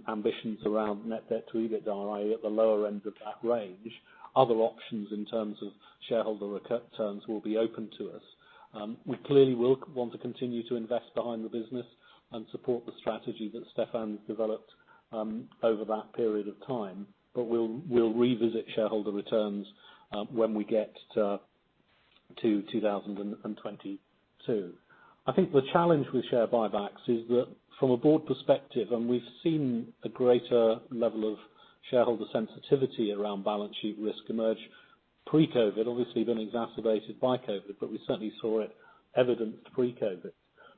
ambitions around net debt to EBITDA, i.e., at the lower end of that range, other options in terms of shareholder returns will be open to us. We clearly will want to continue to invest behind the business and support the strategy that Stefan developed over that period of time. We'll revisit shareholder returns when we get to 2022. I think the challenge with share buybacks is that from a board perspective, and we've seen a greater level of shareholder sensitivity around balance sheet risk emerge pre-COVID, obviously then exacerbated by COVID, but we certainly saw it evidenced pre-COVID.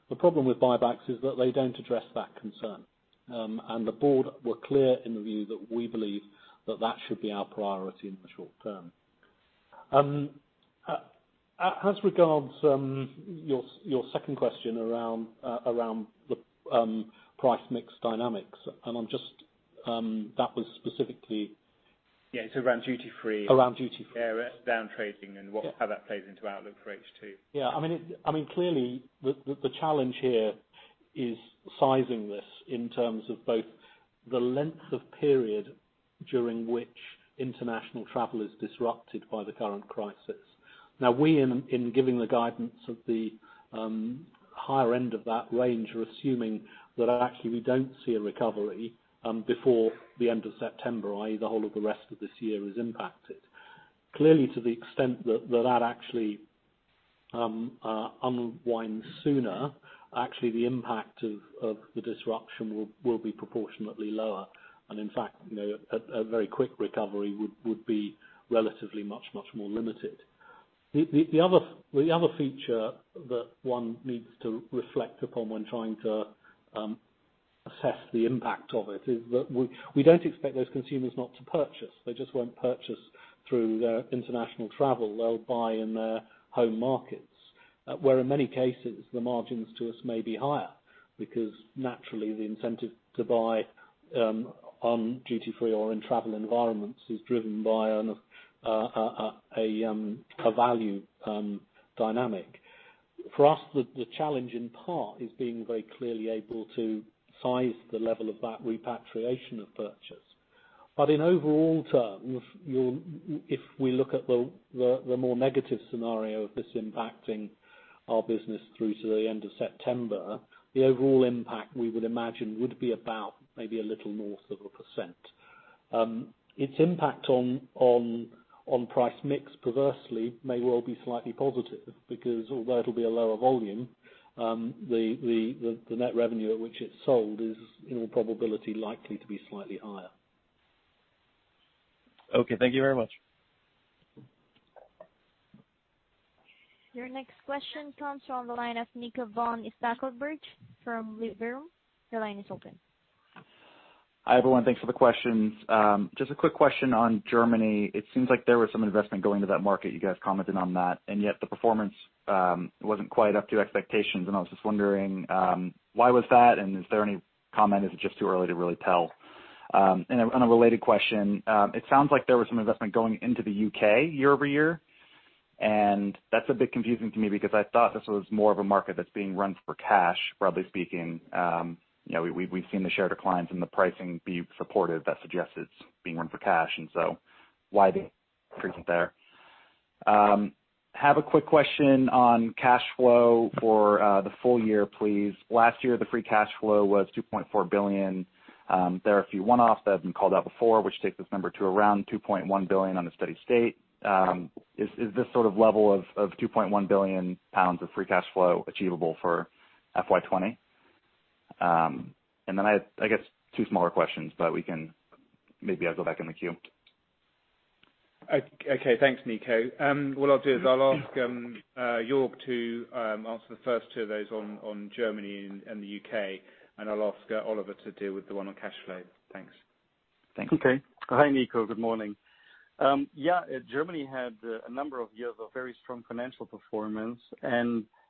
The problem with buybacks is that they don't address that concern. The board were clear in the view that we believe that that should be our priority in the short term. As regards your second question around the price mix dynamics, that was specifically Yeah, it's around duty-free. Around duty-free. Down trading and how that plays into outlook for H2. Yeah. Clearly, the challenge here is sizing this in terms of both the length of period during which international travel is disrupted by the current crisis. Now we, in giving the guidance of the higher end of that range, are assuming that actually we don't see a recovery before the end of September, i.e., the whole of the rest of this year is impacted. Clearly to the extent that that actually unwinds sooner, actually the impact of the disruption will be proportionately lower. In fact, a very quick recovery would be relatively much, much more limited. The other feature that one needs to reflect upon when trying to assess the impact of it is that we don't expect those consumers not to purchase. They just won't purchase through their international travel. They'll buy in their home markets. Where in many cases, the margins to us may be higher because naturally the incentive to buy on duty-free or in travel environments is driven by a value dynamic. For us, the challenge in part is being very clearly able to size the level of that repatriation of purchase. In overall terms, if we look at the more negative scenario of this impacting our business through to the end of September, the overall impact we would imagine would be about maybe a little north of 1%. Its impact on price mix perversely may well be slightly positive because although it'll be a lower volume, the net revenue at which it's sold is in all probability likely to be slightly higher. Okay. Thank you very much. Your next question comes from the line of Nico von Stackelberg from Liberum. Your line is open. Hi, everyone. Thanks for the questions. Just a quick question on Germany. It seems like there was some investment going to that market. You guys commented on that, and yet the performance wasn't quite up to expectations, and I was just wondering why was that and is there any comment, is it just too early to really tell? A related question, it sounds like there was some investment going into the U.K. year-over-year, and that's a bit confusing to me because I thought this was more of a market that's being run for cash, broadly speaking. We've seen the share declines and the pricing be supported that suggests it's being run for cash, and so why the increase there? I have a quick question on cash flow for the full year, please. Last year, the free cash flow was 2.4 billion. There are a few one-offs that have been called out before, which takes this number to around 2.1 billion on a steady state. Is this sort of level of 2.1 billion pounds of free cash flow achievable for FY 2020? I guess two smaller questions, but maybe I'll go back in the queue. Okay. Thanks, Nico. What I'll do is I'll ask Jörg to answer the first two of those on Germany and the U.K., and I'll ask Oliver to deal with the one on cash flow. Thanks. Thanks. Hi, Nico. Good morning. Germany had a number of years of very strong financial performance.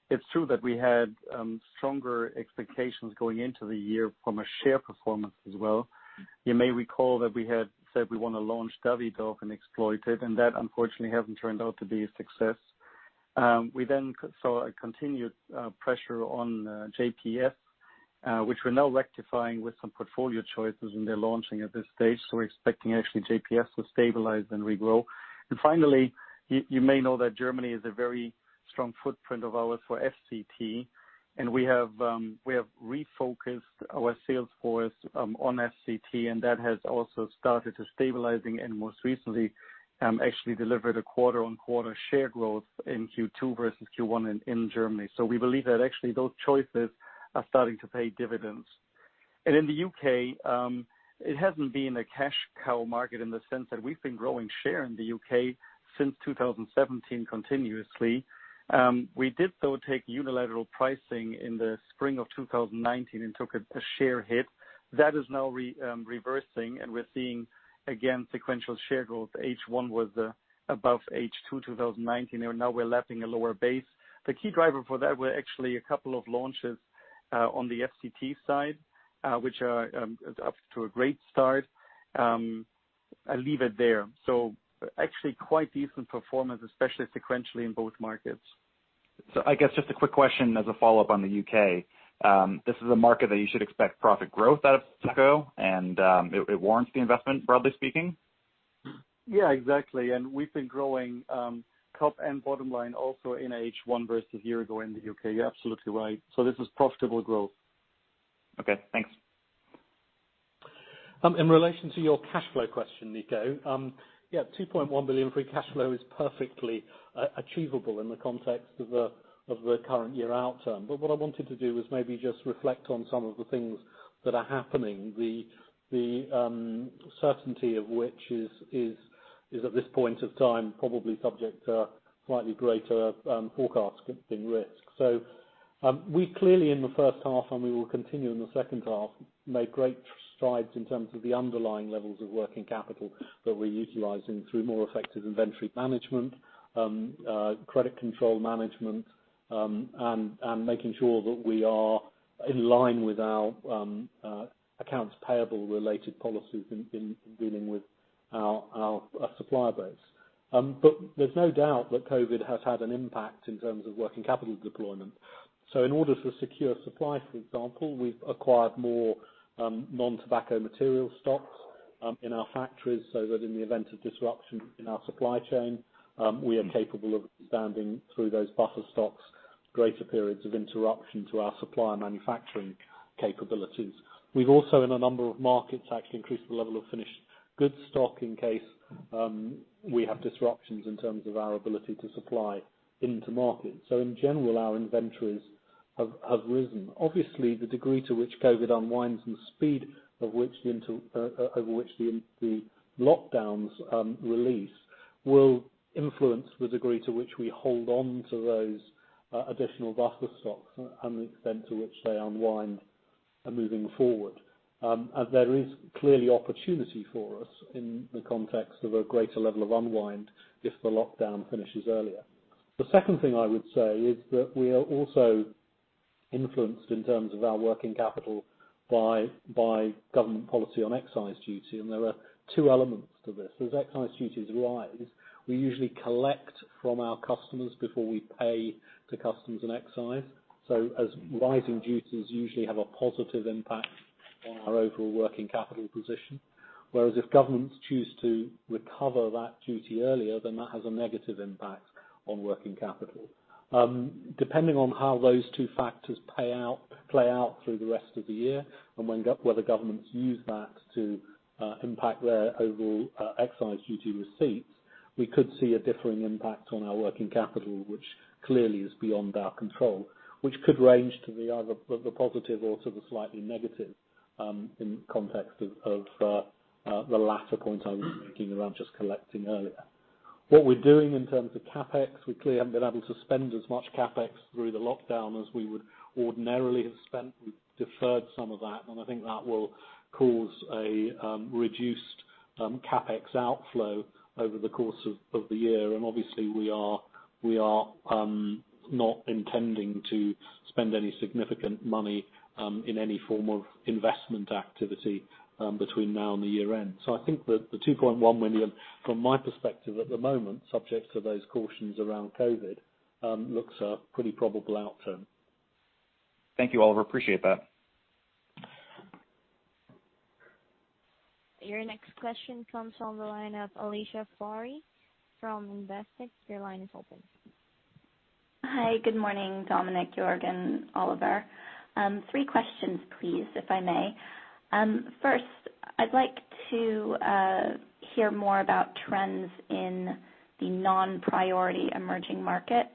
It's true that we had stronger expectations going into the year from a share performance as well. You may recall that we had said we want to launch Davidoff and exploit it. That unfortunately hasn't turned out to be a success. We saw a continued pressure on JPS, which we're now rectifying with some portfolio choices and they're launching at this stage. We're expecting actually JPS to stabilize and regrow. Finally, you may know that Germany is a very strong footprint of ours for FCT. We have refocused our sales force on FCT. That has also started to stabilizing, and most recently, actually delivered a quarter-on-quarter share growth in Q2 versus Q1 in Germany. We believe that actually those choices are starting to pay dividends. In the U.K., it hasn't been a cash cow market in the sense that we've been growing share in the U.K. since 2017 continuously. We did, though, take unilateral pricing in the spring of 2019 and took a share hit. That is now reversing, and we're seeing, again, sequential share growth. H1 was above H2 2019, and now we're lapping a lower base. The key driver for that were actually a couple of launches on the FCT side, which are off to a great start. I leave it there. Actually quite decent performance, especially sequentially in both markets. I guess just a quick question as a follow-up on the U.K. This is a market that you should expect profit growth out of tobacco and it warrants the investment, broadly speaking? Yeah, exactly. We've been growing top and bottom line also in H1 versus a year ago in the U.K. You're absolutely right. This is profitable growth. Okay, thanks. In relation to your cash flow question, Nico, yeah, 2.1 billion free cash flow is perfectly achievable in the context of the current year outturn. What I wanted to do was maybe just reflect on some of the things that are happening, the certainty of which is at this point of time, probably subject to slightly greater forecasting risk. We clearly in the first half, and we will continue in the second half, made great strides in terms of the underlying levels of working capital that we're utilizing through more effective inventory management, credit control management, and making sure that we are in line with our accounts payable related policies in dealing with our supplier base. There's no doubt that COVID has had an impact in terms of working capital deployment. In order to secure supply, for example, we've acquired more non-tobacco material stocks in our factories so that in the event of disruption in our supply chain, we are capable of withstanding through those buffer stocks, greater periods of interruption to our supplier manufacturing capabilities. We've also, in a number of markets, actually increased the level of finished goods stock in case we have disruptions in terms of our ability to supply into markets. In general, our inventories have risen. Obviously, the degree to which COVID unwinds and the speed over which the lockdowns release will influence the degree to which we hold on to those additional buffer stocks and the extent to which they unwind moving forward. There is clearly opportunity for us in the context of a greater level of unwind if the lockdown finishes earlier. The second thing I would say is that we are also influenced in terms of our working capital by government policy on excise duty, and there are two elements to this. As excise duties rise, we usually collect from our customers before we pay to customs and excise. As rising duties usually have a positive impact on our overall working capital position. If governments choose to recover that duty earlier, then that has a negative impact on working capital. Depending on how those two factors play out through the rest of the year, and whether governments use that to impact their overall excise duty receipts, we could see a differing impact on our working capital, which clearly is beyond our control, which could range to the positive or to the slightly negative, in context of the latter point I was making around just collecting earlier. What we're doing in terms of CapEx, we clearly haven't been able to spend as much CapEx through the lockdown as we would ordinarily have spent. We deferred some of that, I think that will cause a reduced CapEx outflow over the course of the year. Obviously we are not intending to spend any significant money in any form of investment activity between now and the year end. I think that the 2.1 billion, from my perspective at the moment, subject to those cautions around COVID, looks a pretty probable outturn. Thank you, Oliver. Appreciate that. Your next question comes from the line of Alicia Forry from Investec. Your line is open. Hi, good morning, Dominic, Jörg, and Oliver. Three questions, please, if I may. First, I'd like to hear more about trends in the non-priority emerging markets,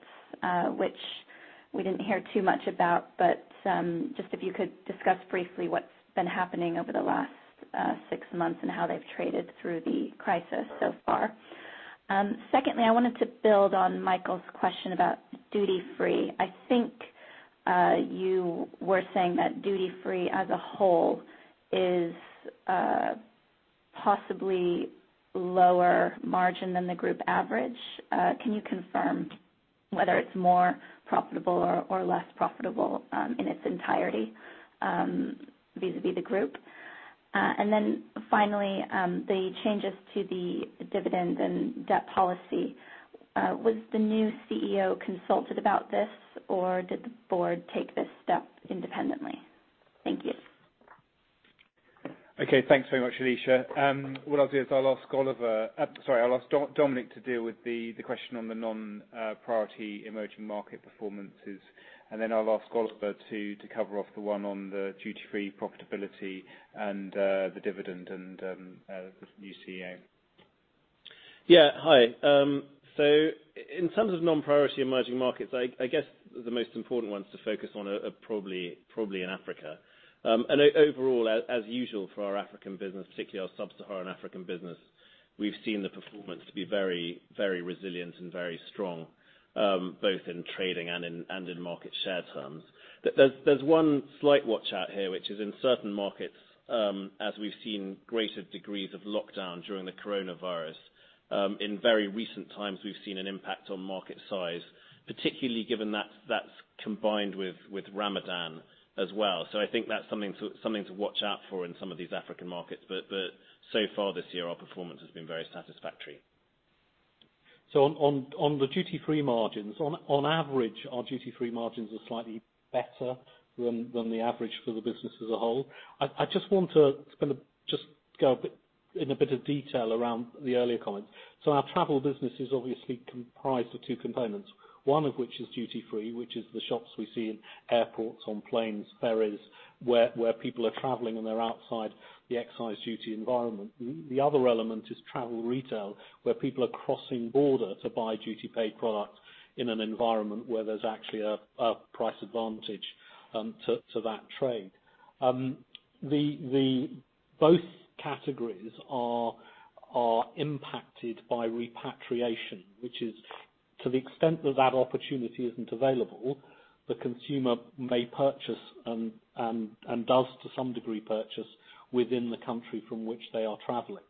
which we didn't hear too much about, but just if you could discuss briefly what's been happening over the last six months and how they've traded through the crisis so far. Secondly, I wanted to build on Michael's question about duty-free. I think you were saying that duty-free as a whole is possibly lower margin than the group average. Can you confirm whether it's more profitable or less profitable in its entirety vis-a-vis the group? Finally, the changes to the dividend and debt policy. Was the new CEO consulted about this, or did the board take this step independently? Thank you. Okay, thanks very much, Alicia. What I'll do is I'll ask Dominic to deal with the question on the non-priority emerging market performances, and then I'll ask Oliver to cover off the one on the duty-free profitability and the dividend and the new CEO. In terms of non-priority emerging markets, I guess the most important ones to focus on are probably in Africa. Overall, as usual for our African business, particularly our Sub-Saharan African business, we've seen the performance to be very resilient and very strong, both in trading and in market share terms. There's one slight watch out here, which is in certain markets, as we've seen greater degrees of lockdown during the COVID-19, in very recent times, we've seen an impact on market size, particularly given that's combined with Ramadan as well. I think that's something to watch out for in some of these African markets. So far this year, our performance has been very satisfactory. On the duty-free margins, on average, our duty-free margins are slightly better than the average for the business as a whole. I just want to go in a bit of detail around the earlier comments. Our travel business is obviously comprised of two components, one of which is duty-free, which is the shops we see in airports, on planes, ferries, where people are traveling, and they're outside the excise duty environment. The other element is travel retail, where people are crossing border to buy duty paid products in an environment where there's actually a price advantage to that trade. Both categories are impacted by repatriation, which is to the extent that that opportunity isn't available, the consumer may purchase and does, to some degree, purchase within the country from which they are traveling.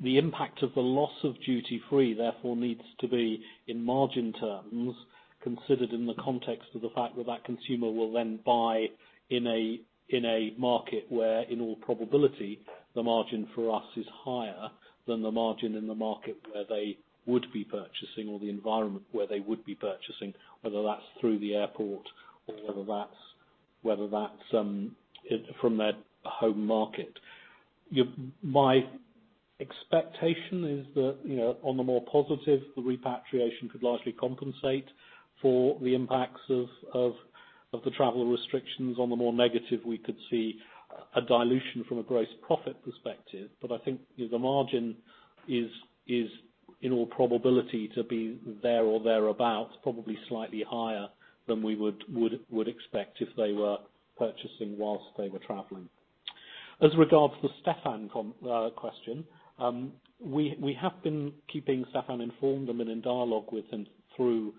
The impact of the loss of duty-free therefore needs to be, in margin terms, considered in the context of the fact that that consumer will then buy in a market where, in all probability, the margin for us is higher than the margin in the market where they would be purchasing or the environment where they would be purchasing, whether that's through the airport or whether that's from their home market. My expectation is that on the more positive, the repatriation could largely compensate for the impacts of the travel restrictions. On the more negative, we could see a dilution from a gross profit perspective, but I think the margin is, in all probability, to be there or thereabout, probably slightly higher than we would expect if they were purchasing whilst they were traveling. As regards to the Stefan question, we have been keeping Stefan informed and in dialogue with him through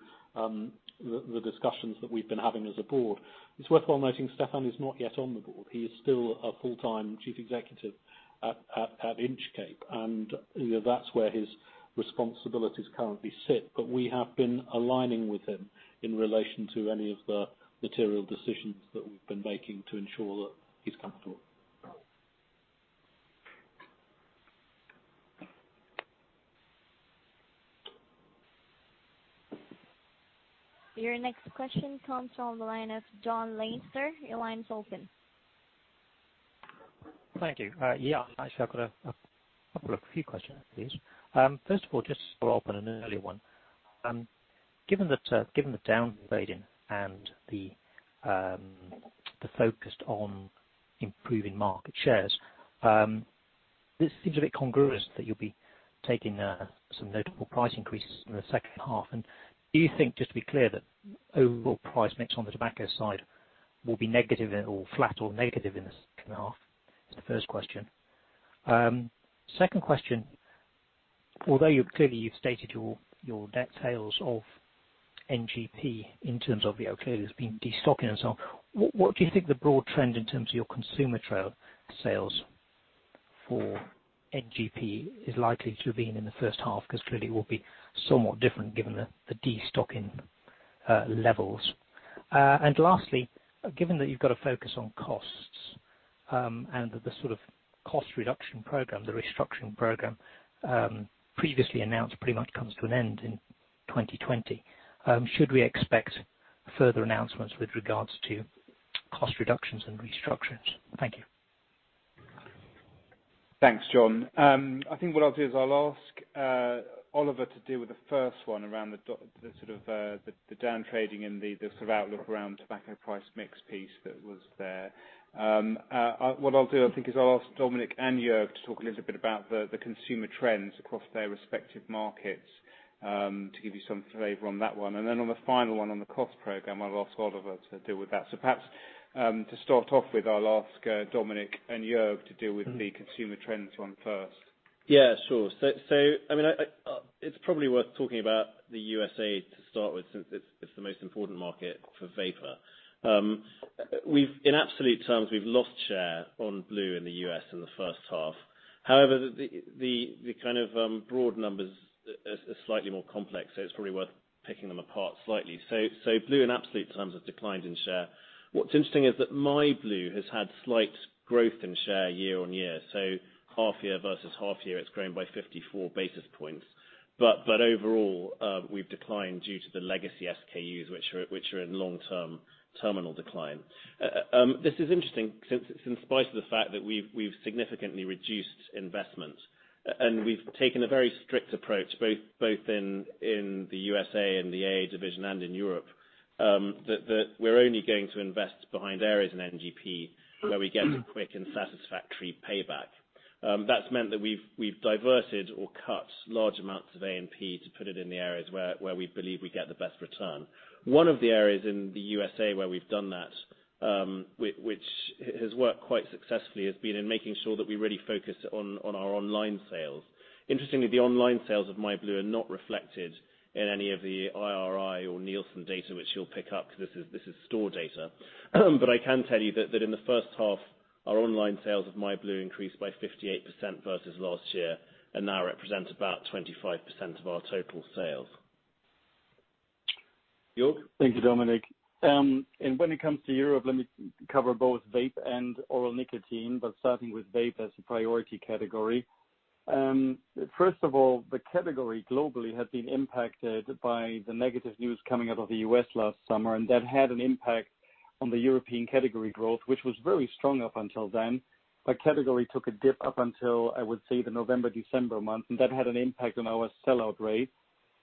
the discussions that we've been having as a board. It's worthwhile noting Stefan is not yet on the board. He is still a full-time chief executive at Inchcape, and that's where his responsibilities currently sit. We have been aligning with him in relation to any of the material decisions that we've been making to ensure that he's comfortable. Your next question comes from the line of Jonathan Leinster. Your line is open. Thank you. Yeah, actually, I've got a few questions, please. First of all, just to follow up on an earlier one. Given the down trading and the focus on improving market shares, this seems a bit incongruous that you'll be taking some notable price increases in the second half. Do you think, just to be clear, that overall price mix on the tobacco side will be negative at all, flat or negative in the second half? Is the first question. Second question, although clearly you've stated your details of NGP in terms of, clearly there's been destocking and so on, what do you think the broad trend in terms of your consumer trail sales for NGP is likely to have been in the first half? Clearly it will be somewhat different given the destocking levels. Lastly, given that you've got a focus on costs and that the sort of. Cost reduction program, the restructuring program previously announced pretty much comes to an end in 2020. Should we expect further announcements with regards to cost reductions and restructurings? Thank you. Thanks, John. I think what I'll do is I'll ask Oliver to deal with the first one around the down trading and the sort of outlook around tobacco price mix piece that was there. What I'll do, I think, is I'll ask Dominic and Jörg to talk a little bit about the consumer trends across their respective markets, to give you some flavor on that one. On the final one, on the cost program, I'll ask Oliver to deal with that. Perhaps, to start off with, I'll ask Dominic and Jörg to deal with the consumer trends one first. Yeah, sure. It's probably worth talking about the U.S. to start with, since it's the most important market for vapor. In absolute terms, we've lost share on blu in the U.S. in the first half. However, the broad numbers are slightly more complex, it's probably worth picking them apart slightly. blu in absolute terms has declined in share. What's interesting is that myblu has had slight growth in share year on year, half year versus half year, it's grown by 54 basis points. Overall, we've declined due to the legacy SKUs, which are in long-term terminal decline. This is interesting since it's in spite of the fact that we've significantly reduced investment and we've taken a very strict approach, both in the USA and the AAA division and in Europe, that we're only going to invest behind areas in NGP where we get a quick and satisfactory payback. That's meant that we've diverted or cut large amounts of A&P to put it in the areas where we believe we get the best return. One of the areas in the USA where we've done that, which has worked quite successfully, has been in making sure that we really focus on our online sales. Interestingly, the online sales of myblu are not reflected in any of the IRI or Nielsen data, which you'll pick up because this is store data. I can tell you that in the first half, our online sales of myblu increased by 58% versus last year and now represent about 25% of our total sales. Jörg? Thank you, Dominic. When it comes to Europe, let me cover both vape and oral nicotine, but starting with vape as the priority category. First of all, the category globally has been impacted by the negative news coming out of the U.S. last summer, that had an impact on the European category growth, which was very strong up until then. The category took a dip up until, I would say, the November, December months, that had an impact on our sell-out rate.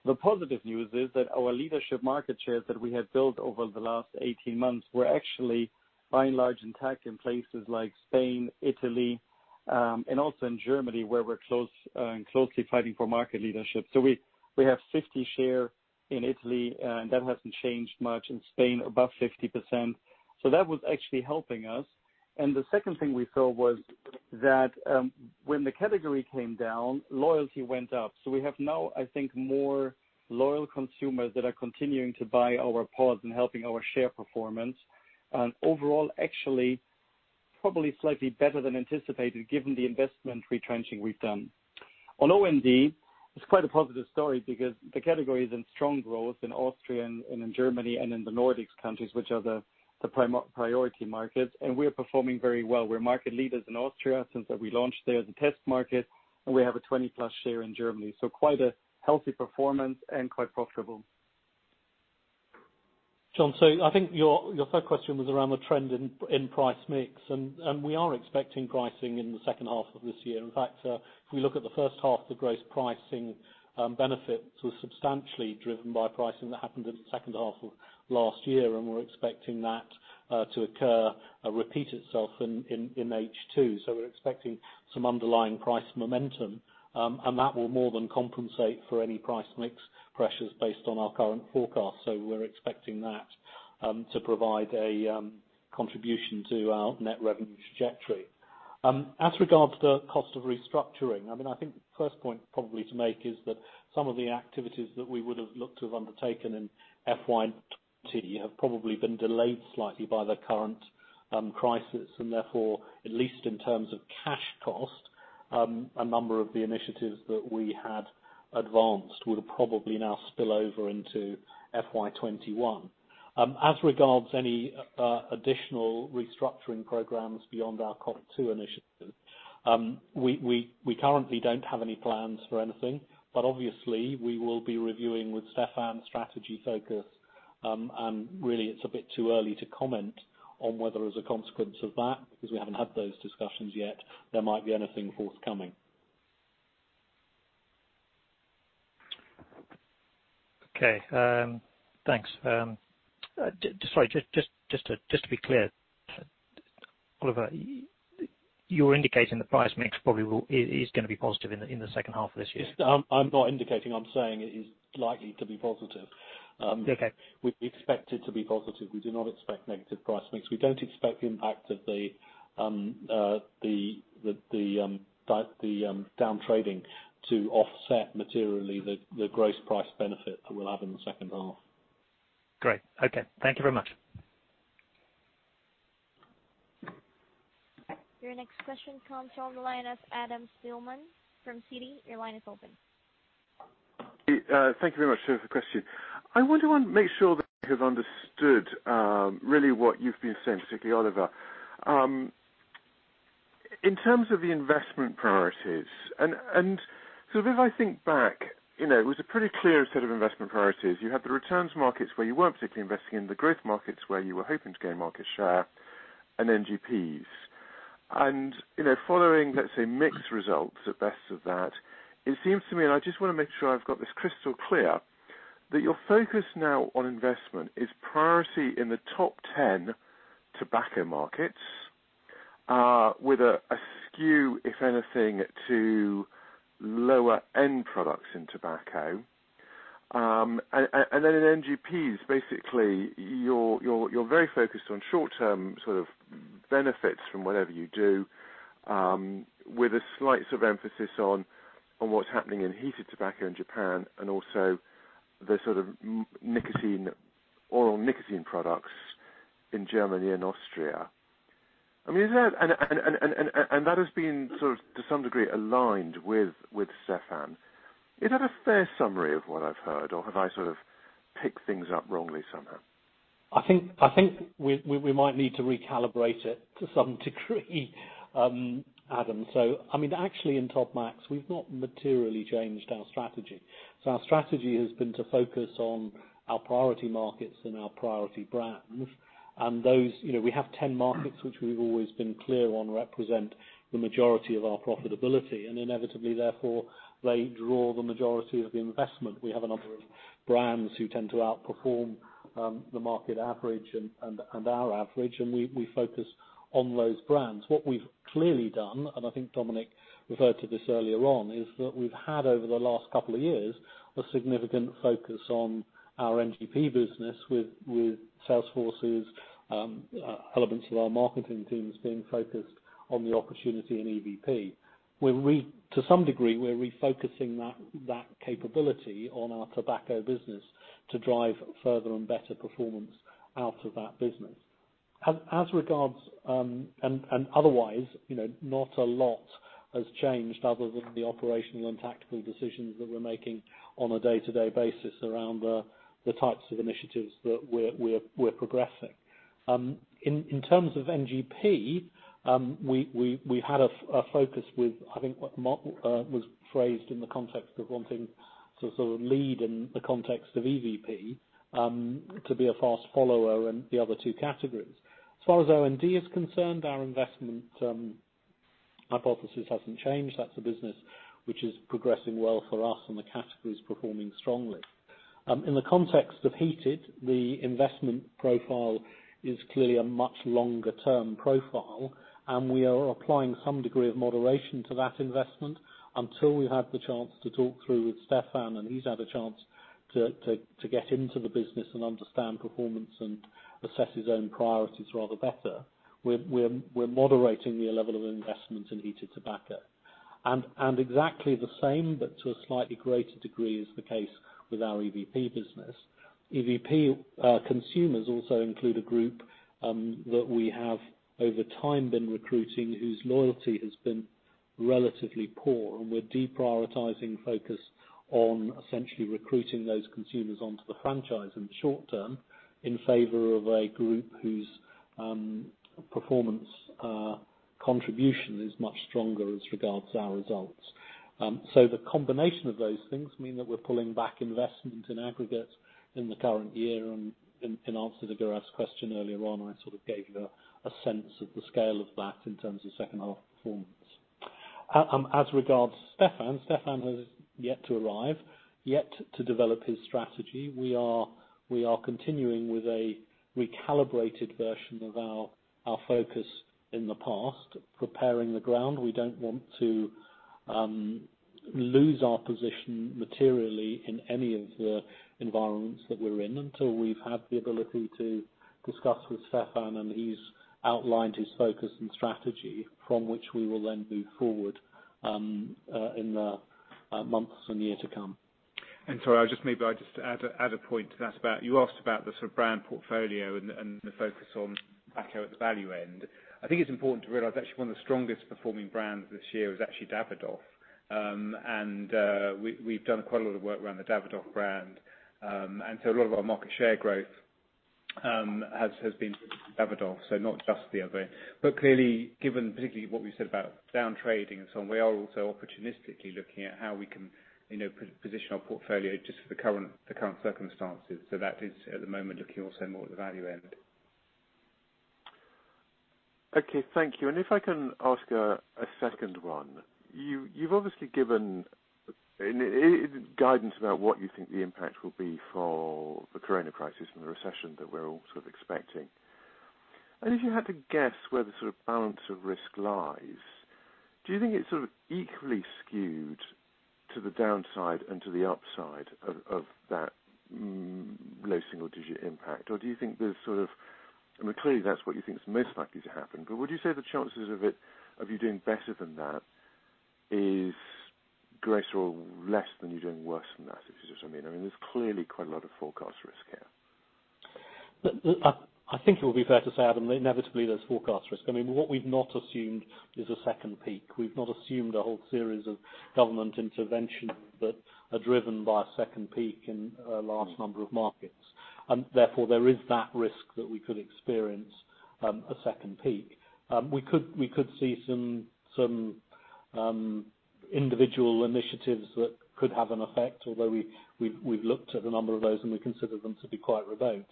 The positive news is that our leadership market shares that we had built over the last 18 months were actually by and large intact in places like Spain, Italy, and also in Germany, where we're closely fighting for market leadership. We have 50 share in Italy, that hasn't changed much. In Spain, above 50%. That was actually helping us. The second thing we saw was that when the category came down, loyalty went up. We have now, I think, more loyal consumers that are continuing to buy our pods and helping our share performance. Overall, actually, probably slightly better than anticipated given the investment retrenching we've done. On OND, it's quite a positive story because the category is in strong growth in Austria and in Germany and in the Nordics countries, which are the priority markets, and we are performing very well. We're market leaders in Austria since we launched there as a test market, and we have a 20-plus share in Germany. Quite a healthy performance and quite profitable. John, I think your third question was around the trend in price mix, we are expecting pricing in the second half of this year. In fact, if we look at the first half, the gross pricing benefit was substantially driven by pricing that happened in the second half of last year, we're expecting that to occur, repeat itself in H2. We're expecting some underlying price momentum, that will more than compensate for any price mix pressures based on our current forecast. We're expecting that to provide a contribution to our net revenue trajectory. As regards the cost of restructuring, I think the first point probably to make is that some of the activities that we would have looked to have undertaken in FY 2020 have probably been delayed slightly by the current crisis, and therefore, at least in terms of cash cost, a number of the initiatives that we had advanced would probably now spill over into FY 2021. As regards any additional restructuring programs beyond our COP2 initiatives, we currently don't have any plans for anything. Obviously, we will be reviewing with Stefan strategy focus, and really it's a bit too early to comment on whether as a consequence of that, because we haven't had those discussions yet, there might be anything forthcoming. Okay. Thanks. Sorry, just to be clear, Oliver, you're indicating the price mix probably is going to be positive in the second half of this year? I'm not indicating. I'm saying it is likely to be positive. Okay. We expect it to be positive. We do not expect negative price mix. We don't expect the impact of the downtrading to offset materially the gross price benefit that we'll have in the second half. Great. Okay. Thank you very much. Your next question comes from the line of Adam Spielman from Citi. Your line is open. Thank you very much for the question. I want to make sure that I have understood really what you've been saying, particularly Oliver. In terms of the investment priorities, if I think back, it was a pretty clear set of investment priorities. You had the returns markets where you weren't particularly investing in the growth markets, where you were hoping to gain market share and NGPs. Following, let's say, mixed results at best of that, it seems to me, and I just want to make sure I've got this crystal clear, that your focus now on investment is priority in the top 10 tobacco markets, with a skew, if anything, to lower end products in tobacco. In NGPs, basically, you're very focused on short-term benefits from whatever you do, with a slight emphasis on what's happening in heated tobacco in Japan and also the oral nicotine products in Germany and Austria. That has been to some degree, aligned with Stefan. Is that a fair summary of what I've heard, or have I sort of picked things up wrongly somehow? I think we might need to recalibrate it to some degree Adam. Actually, in top markets, we've not materially changed our strategy. Our strategy has been to focus on our priority markets and our priority brands. We have 10 markets, which we've always been clear on represent the majority of our profitability, and inevitably therefore, they draw the majority of the investment. We have a number of brands who tend to outperform, the market average and our average, and we focus on those brands. What we've clearly done, and I think Dominic referred to this earlier on, is that we've had, over the last couple of years, a significant focus on our NGP business with sales forces, elements of our marketing teams being focused on the opportunity in EVP. To some degree, we're refocusing that capability on our tobacco business to drive further and better performance out of that business. As regards, and otherwise, not a lot has changed other than the operational and tactical decisions that we're making on a day-to-day basis around the types of initiatives that we're progressing. In terms of NGP, we had a focus with, I think, what was phrased in the context of wanting to sort of lead in the context of EVP, to be a fast follower in the other two categories. As far as R&D is concerned, our investment hypothesis hasn't changed. That's a business which is progressing well for us, and the category is performing strongly. In the context of heated, the investment profile is clearly a much longer-term profile, and we are applying some degree of moderation to that investment until we've had the chance to talk through with Stefan and he's had a chance to get into the business and understand performance and assess his own priorities rather better. We're moderating the level of investment in heated tobacco. Exactly the same, but to a slightly greater degree is the case with our EVP business. EVP consumers also include a group that we have, over time, been recruiting, whose loyalty has been relatively poor, and we're deprioritizing focus on essentially recruiting those consumers onto the franchise in the short term in favor of a group whose performance contribution is much stronger as regards our results. The combination of those things mean that we're pulling back investment in aggregate in the current year. In answer to Gaurav's question earlier on, I gave a sense of the scale of that in terms of second half performance. As regards Stefan has yet to arrive, yet to develop his strategy. We are continuing with a recalibrated version of our focus in the past, preparing the ground. We don't want to lose our position materially in any of the environments that we're in until we've had the ability to discuss with Stefan, and he's outlined his focus and strategy from which we will then move forward in the months and year to come. Sorry, maybe I just add a point to that about, you asked about the brand portfolio and the focus on tobacco at the value end. I think it's important to realize actually one of the strongest performing brands this year is actually Davidoff. We've done quite a lot of work around the Davidoff brand. A lot of our market share growth has been Davidoff, so not just the other. Clearly, given particularly what we've said about down trading and so on, we are also opportunistically looking at how we can position our portfolio just for the current circumstances. That is, at the moment, looking also more at the value end. Okay. Thank you. If I can ask a second one. You've obviously given guidance about what you think the impact will be for the corona crisis and the recession that we're all sort of expecting. If you had to guess where the balance of risk lies, do you think it's equally skewed to the downside and to the upside of that low single digit impact? Do you think there's Clearly, that's what you think is most likely to happen, but would you say the chances of you doing better than that is greater or less than you doing worse than that? Is what I mean. There's clearly quite a lot of forecast risk here. I think it would be fair to say, Adam Spielman, inevitably there's forecast risk. What we've not assumed is a second peak. We've not assumed a whole series of government interventions that are driven by a second peak in a large number of markets. Therefore, there is that risk that we could experience a second peak. We could see some individual initiatives that could have an effect, although we've looked at a number of those, and we consider them to be quite remote.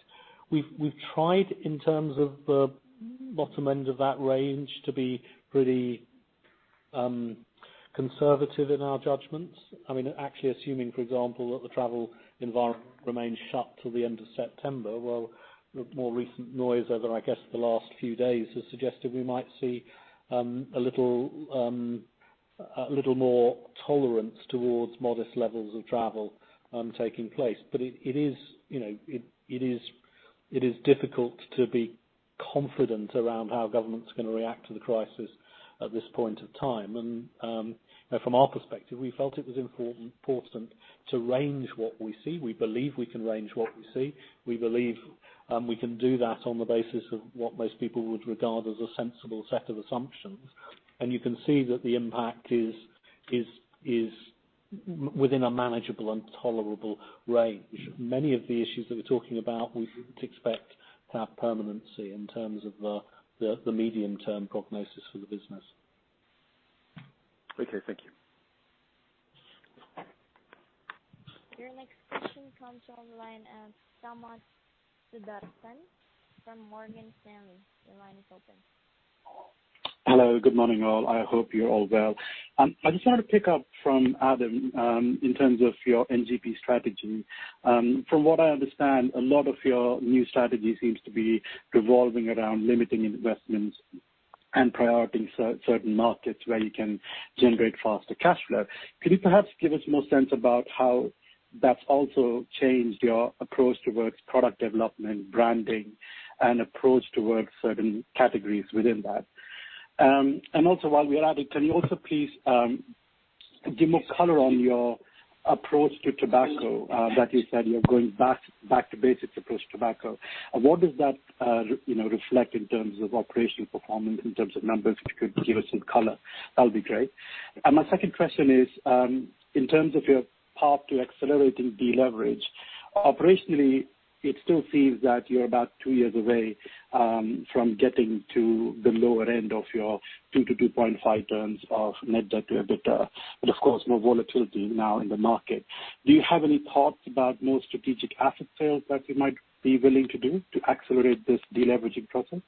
We've tried, in terms of the bottom end of that range, to be pretty conservative in our judgments. Actually assuming, for example, that the travel environment remains shut till the end of September, well, the more recent noise over, I guess, the last few days has suggested we might see a little more tolerance towards modest levels of travel taking place. It is difficult to be confident around how government's going to react to the crisis at this point of time. From our perspective, we felt it was important to range what we see. We believe we can range what we see. We believe we can do that on the basis of what most people would regard as a sensible set of assumptions. You can see that the impact is within a manageable and tolerable range. Many of the issues that we're talking about, we wouldn't expect to have permanency in terms of the medium-term prognosis for the business. Okay. Thank you. Your next question comes on the line from Sanath Sudarsan from Morgan Stanley. Your line is open. Hello. Good morning, all. I hope you're all well. I just wanted to pick up from Adam in terms of your NGP strategy. From what I understand, a lot of your new strategy seems to be revolving around limiting investments and prioritizing certain markets where you can generate faster cash flow. Could you perhaps give us more sense about how that's also changed your approach towards product development, branding, and approach towards certain categories within that? While we're at it, can you also please give more color on your approach to tobacco that you said you're going back to basics approach tobacco. What does that reflect in terms of operational performance, in terms of numbers? If you could give us some color, that'll be great. My second question is, in terms of your path to accelerating deleverage, operationally, it still seems that you're about two years away from getting to the lower end of your two to 2.5 terms of net debt to EBITDA, but of course, more volatility now in the market. Do you have any thoughts about more strategic asset sales that you might be willing to do to accelerate this deleveraging process?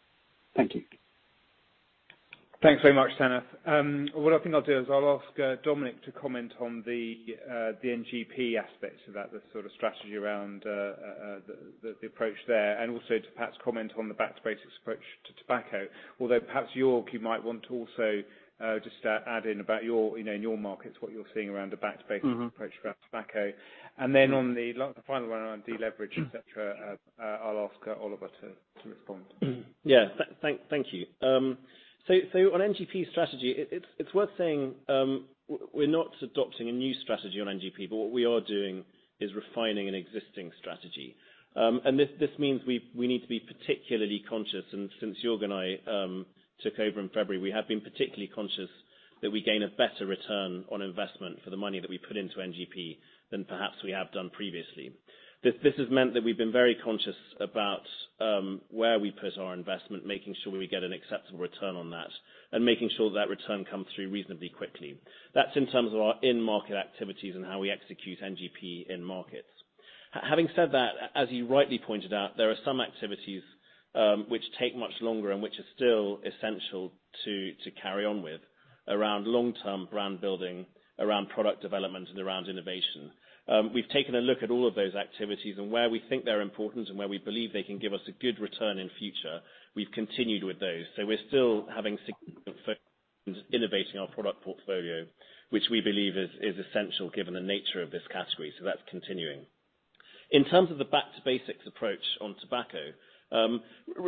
Thank you. Thanks very much, Sanath. What I think I'll do is I'll ask Dominic to comment on the NGP aspects of that, the sort of strategy around the approach there, and also to perhaps comment on the back to basics approach to tobacco. Perhaps, Jörg, you might want to also just add in about in your markets what you are seeing around a back to basics. approach for our tobacco. Then on the final one on deleverage, et cetera, I'll ask Oliver to respond. Thank you. On NGP strategy, it's worth saying we're not adopting a new strategy on NGP, but what we are doing is refining an existing strategy. This means we need to be particularly conscious, and since Jörg and I took over in February, we have been particularly conscious that we gain a better return on investment for the money that we put into NGP than perhaps we have done previously. This has meant that we've been very conscious about where we put our investment, making sure we get an acceptable return on that, and making sure that return comes through reasonably quickly. That's in terms of our in-market activities and how we execute NGP in markets. Having said that, as you rightly pointed out, there are some activities which take much longer and which are still essential to carry on with around long-term brand building, around product development, and around innovation. We've taken a look at all of those activities, and where we think they're important and where we believe they can give us a good return in future, we've continued with those. We're still having significant innovating our product portfolio, which we believe is essential given the nature of this category. That's continuing. In terms of the back to basics approach on tobacco,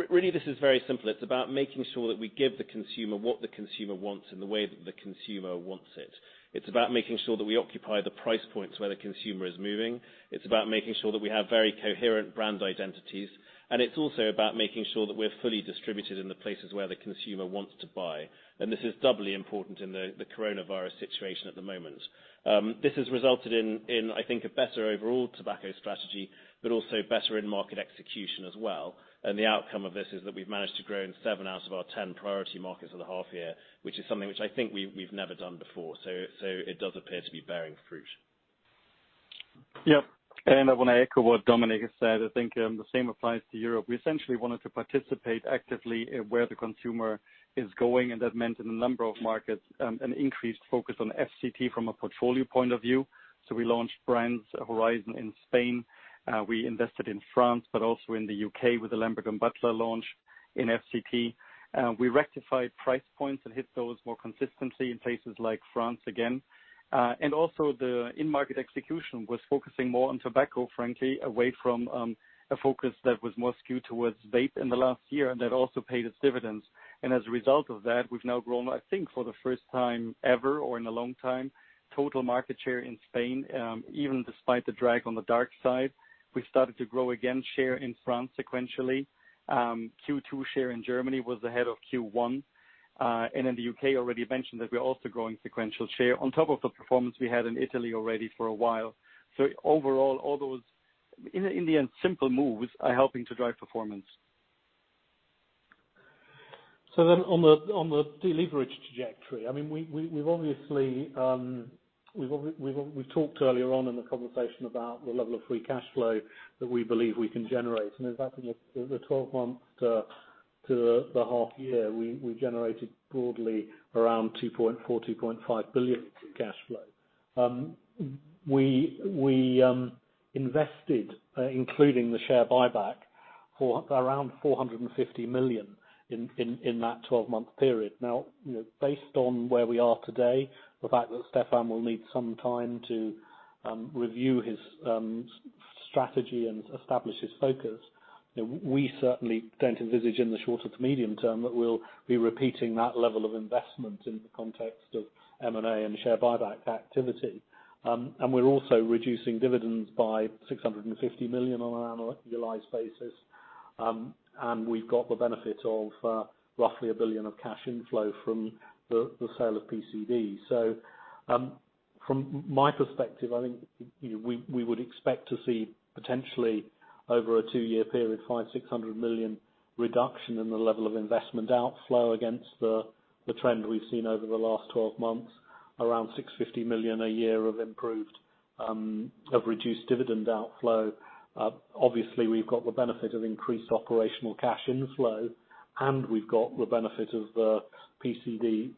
really this is very simple. It's about making sure that we give the consumer what the consumer wants in the way that the consumer wants it. It's about making sure that we occupy the price points where the consumer is moving. It's about making sure that we have very coherent brand identities, and it's also about making sure that we're fully distributed in the places where the consumer wants to buy. This is doubly important in the coronavirus situation at the moment. This has resulted in, I think, a better overall tobacco strategy, but also better in-market execution as well. The outcome of this is that we've managed to grow in seven out of our 10 priority markets for the half year, which is something which I think we've never done before. It does appear to be bearing fruit. Yep. I want to echo what Dominic has said. I think the same applies to Europe. We essentially wanted to participate actively in where the consumer is going, and that meant in a number of markets, an increased focus on FCT from a portfolio point of view. We launched brands, Horizon in Spain. We invested in France, but also in the U.K. with the Lambert & Butler launch in FCT. We rectified price points and hit those more consistently in places like France again. Also the in-market execution was focusing more on tobacco, frankly, away from a focus that was more skewed towards vape in the last year, and that also paid its dividends. As a result of that, we've now grown, I think for the first time ever or in a long time, total market share in Spain, even despite the drag on the dark side. We started to grow again share in France sequentially. Q2 share in Germany was ahead of Q1. In the U.K., already mentioned that we're also growing sequential share on top of the performance we had in Italy already for a while. Overall, all those. In the end, simple moves are helping to drive performance. On the deleverage trajectory, we've talked earlier on in the conversation about the level of free cash flow that we believe we can generate. In fact, in the 12 months to the half year, we generated broadly around 2.4 billion-2.5 billion of cash flow. We invested, including the share buyback, around 450 million in that 12-month period. Now, based on where we are today, the fact that Stefan will need some time to review his strategy and establish his focus, we certainly don't envisage in the short to medium term that we'll be repeating that level of investment in the context of M&A and share buyback activity. We're also reducing dividends by 650 million on an annualized basis. We've got the benefit of roughly 1 billion of cash inflow from the sale of PCD. From my perspective, I think we would expect to see potentially over a two-year period, 500 million-600 million reduction in the level of investment outflow against the trend we've seen over the last 12 months, around 650 million a year of reduced dividend outflow. Obviously, we've got the benefit of increased operational cash inflow, and we've got the benefit of the PCD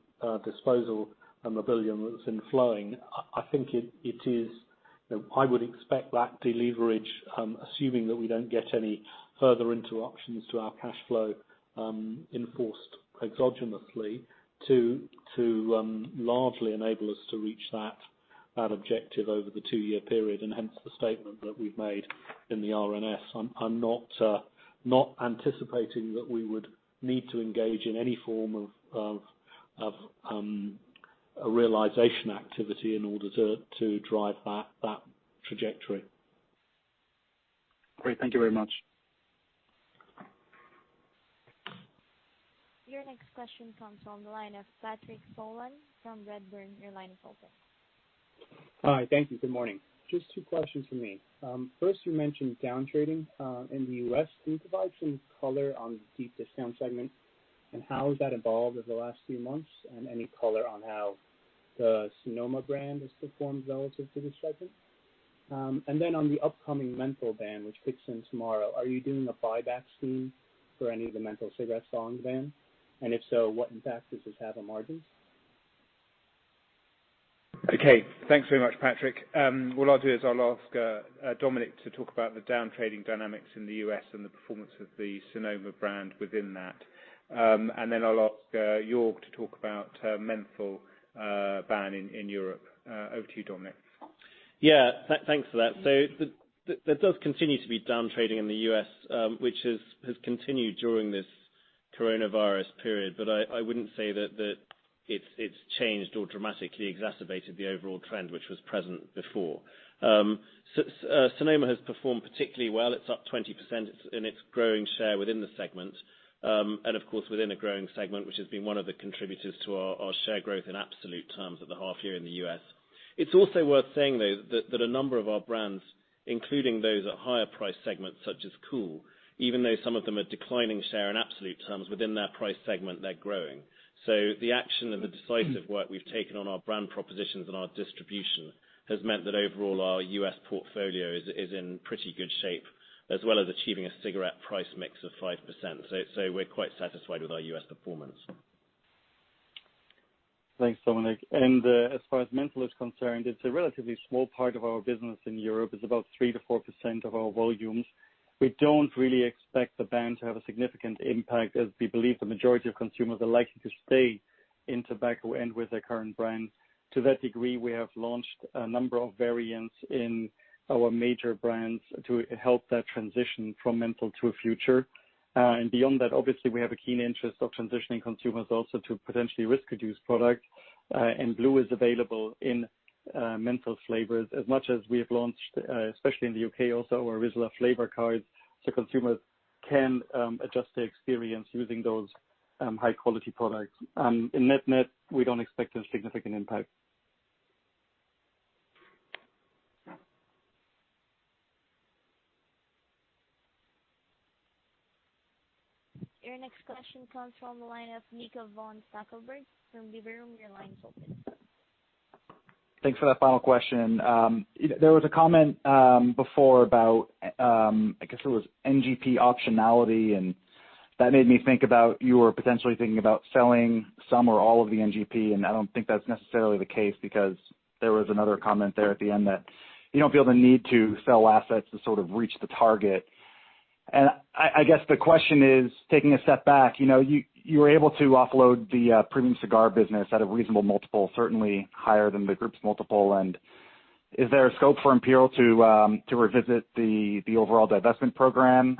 disposal and the 1 billion that's inflowing. I would expect that deleverage, assuming that we don't get any further interruptions to our cash flow enforced exogenously to largely enable us to reach that objective over the two-year period, and hence the statement that we've made in the RNS. I'm not anticipating that we would need to engage in any form of a realization activity in order to drive that trajectory. Great. Thank you very much. Your next question comes from the line of Patrick Nolan from Redburn. Your line is open. Hi. Thank you. Good morning. Just two questions from me. First, you mentioned down trading in the U.S. Can you provide some color on the deep discount segment, and how has that evolved over the last few months? Any color on how the Sonoma brand has performed relative to this segment. On the upcoming menthol ban, which kicks in tomorrow, are you doing a buyback scheme for any of the menthol cigarette brands? If so, what impact does this have on margins? Okay. Thanks very much, Patrick. What I'll do is I'll ask Dominic to talk about the down trading dynamics in the U.S. and the performance of the Sonoma brand within that. Then I'll ask Jörg to talk about menthol ban in Europe. Over to Dominic. Yeah. Thanks for that. There does continue to be down trading in the U.S., which has continued during this coronavirus period. I wouldn't say that it's changed or dramatically exacerbated the overall trend, which was present before. Sonoma has performed particularly well. It's up 20%. It's in its growing share within the segment. Of course, within a growing segment, which has been one of the contributors to our share growth in absolute terms at the half year in the U.S. It's also worth saying, though, that a number of our brands, including those at higher price segments such as Kool, even though some of them are declining share in absolute terms within that price segment, they're growing. The action of the decisive work we've taken on our brand propositions and our distribution has meant that overall our U.S. portfolio is in pretty good shape, as well as achieving a cigarette price mix of 5%. We're quite satisfied with our U.S. performance. Thanks, Dominic. As far as menthol is concerned, it's a relatively small part of our business in Europe. It's about 3%-4% of our volumes. We don't really expect the ban to have a significant impact as we believe the majority of consumers are likely to stay in tobacco and with their current brand. To that degree, we have launched a number of variants in our major brands to help that transition from menthol to a future. Beyond that, obviously, we have a keen interest of transitioning consumers also to potentially risk reduced product. Blu is available in menthol flavors as much as we have launched, especially in the U.K., also our Rizla flavor cards, so consumers can adjust their experience using those high-quality products. In net-net, we don't expect a significant impact. Your next question comes from the line of Nico von Stackelberg from Liberum. Your line is open. Thanks for that final question. There was a comment before about, I guess it was NGP optionality, and that made me think about you were potentially thinking about selling some or all of the NGP, and I don't think that's necessarily the case because there was another comment there at the end that you don't feel the need to sell assets to sort of reach the target. I guess the question is, taking a step back, you were able to offload the Premium Cigars business at a reasonable multiple, certainly higher than the group's multiple. Is there a scope for Imperial to revisit the overall divestment program?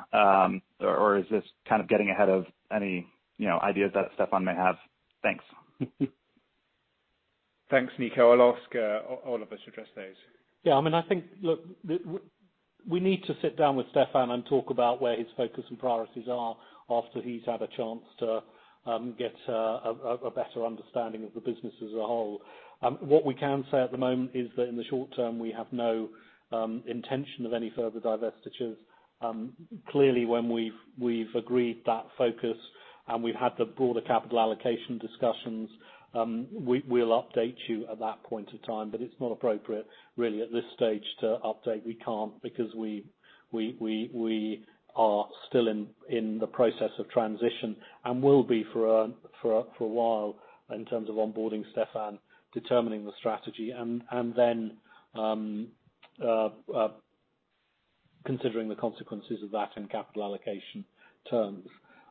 Or is this kind of getting ahead of any ideas that Stefan may have? Thanks. Thanks, Nico. I'll ask Oliver to address those. Yeah, I think, look, we need to sit down with Stefan and talk about where his focus and priorities are after he's had a chance to get a better understanding of the business as a whole. What we can say at the moment is that in the short term, we have no intention of any further divestitures. Clearly when we've agreed that focus and we've had the broader capital allocation discussions. We'll update you at that point in time, but it's not appropriate really at this stage to update. We can't because we are still in the process of transition and will be for a while in terms of onboarding Stefan, determining the strategy, and then considering the consequences of that in capital allocation terms.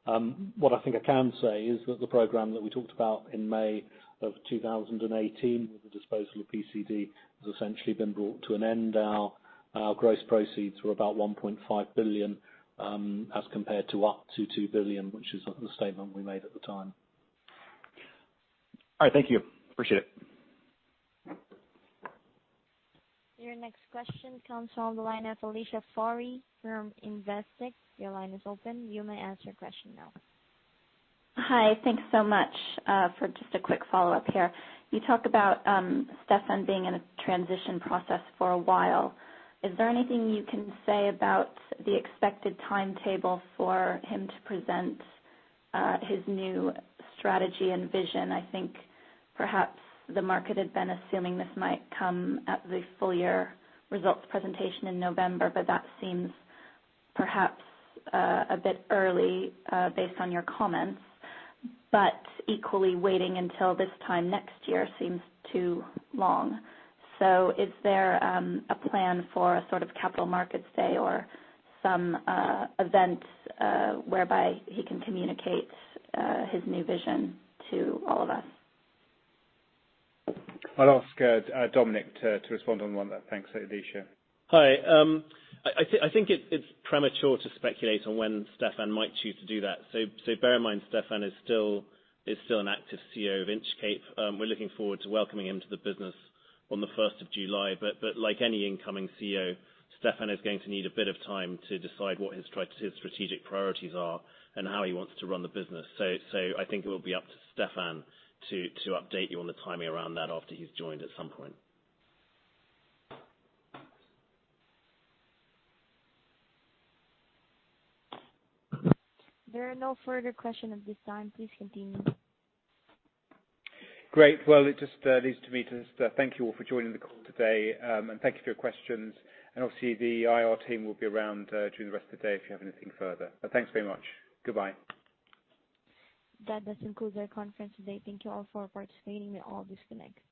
What I think I can say is that the program that we talked about in May of 2018 with the disposal of PCD has essentially been brought to an end. Our gross proceeds were about 1.5 billion, as compared to up to 2 billion, which is the statement we made at the time. All right. Thank you. Appreciate it. Your next question comes on the line as Alicia Forry from Investec. Your line is open. You may ask your question now. Hi. Thanks so much for just a quick follow-up here. You talked about Stefan being in a transition process for a while. Is there anything you can say about the expected timetable for him to present his new strategy and vision? I think perhaps the market had been assuming this might come at the full year results presentation in November, that seems perhaps a bit early based on your comments. Equally, waiting until this time next year seems too long. Is there a plan for a sort of capital markets day or some events whereby he can communicate his new vision to all of us? I'll ask Dominic to respond on one then. Thanks, Alicia. Hi. I think it's premature to speculate on when Stefan might choose to do that. Bear in mind, Stefan is still an active CEO of Inchcape. We're looking forward to welcoming him to the business on the 1st of July. Like any incoming CEO, Stefan is going to need a bit of time to decide what his strategic priorities are and how he wants to run the business. I think it will be up to Stefan to update you on the timing around that after he's joined at some point. There are no further questions at this time. Please continue. Great. It just leads to me to just thank you all for joining the call today, and thank you for your questions. Obviously the IR team will be around during the rest of the day if you have anything further. Thanks very much. Goodbye. That does conclude our conference today. Thank you all for participating. You may all disconnect.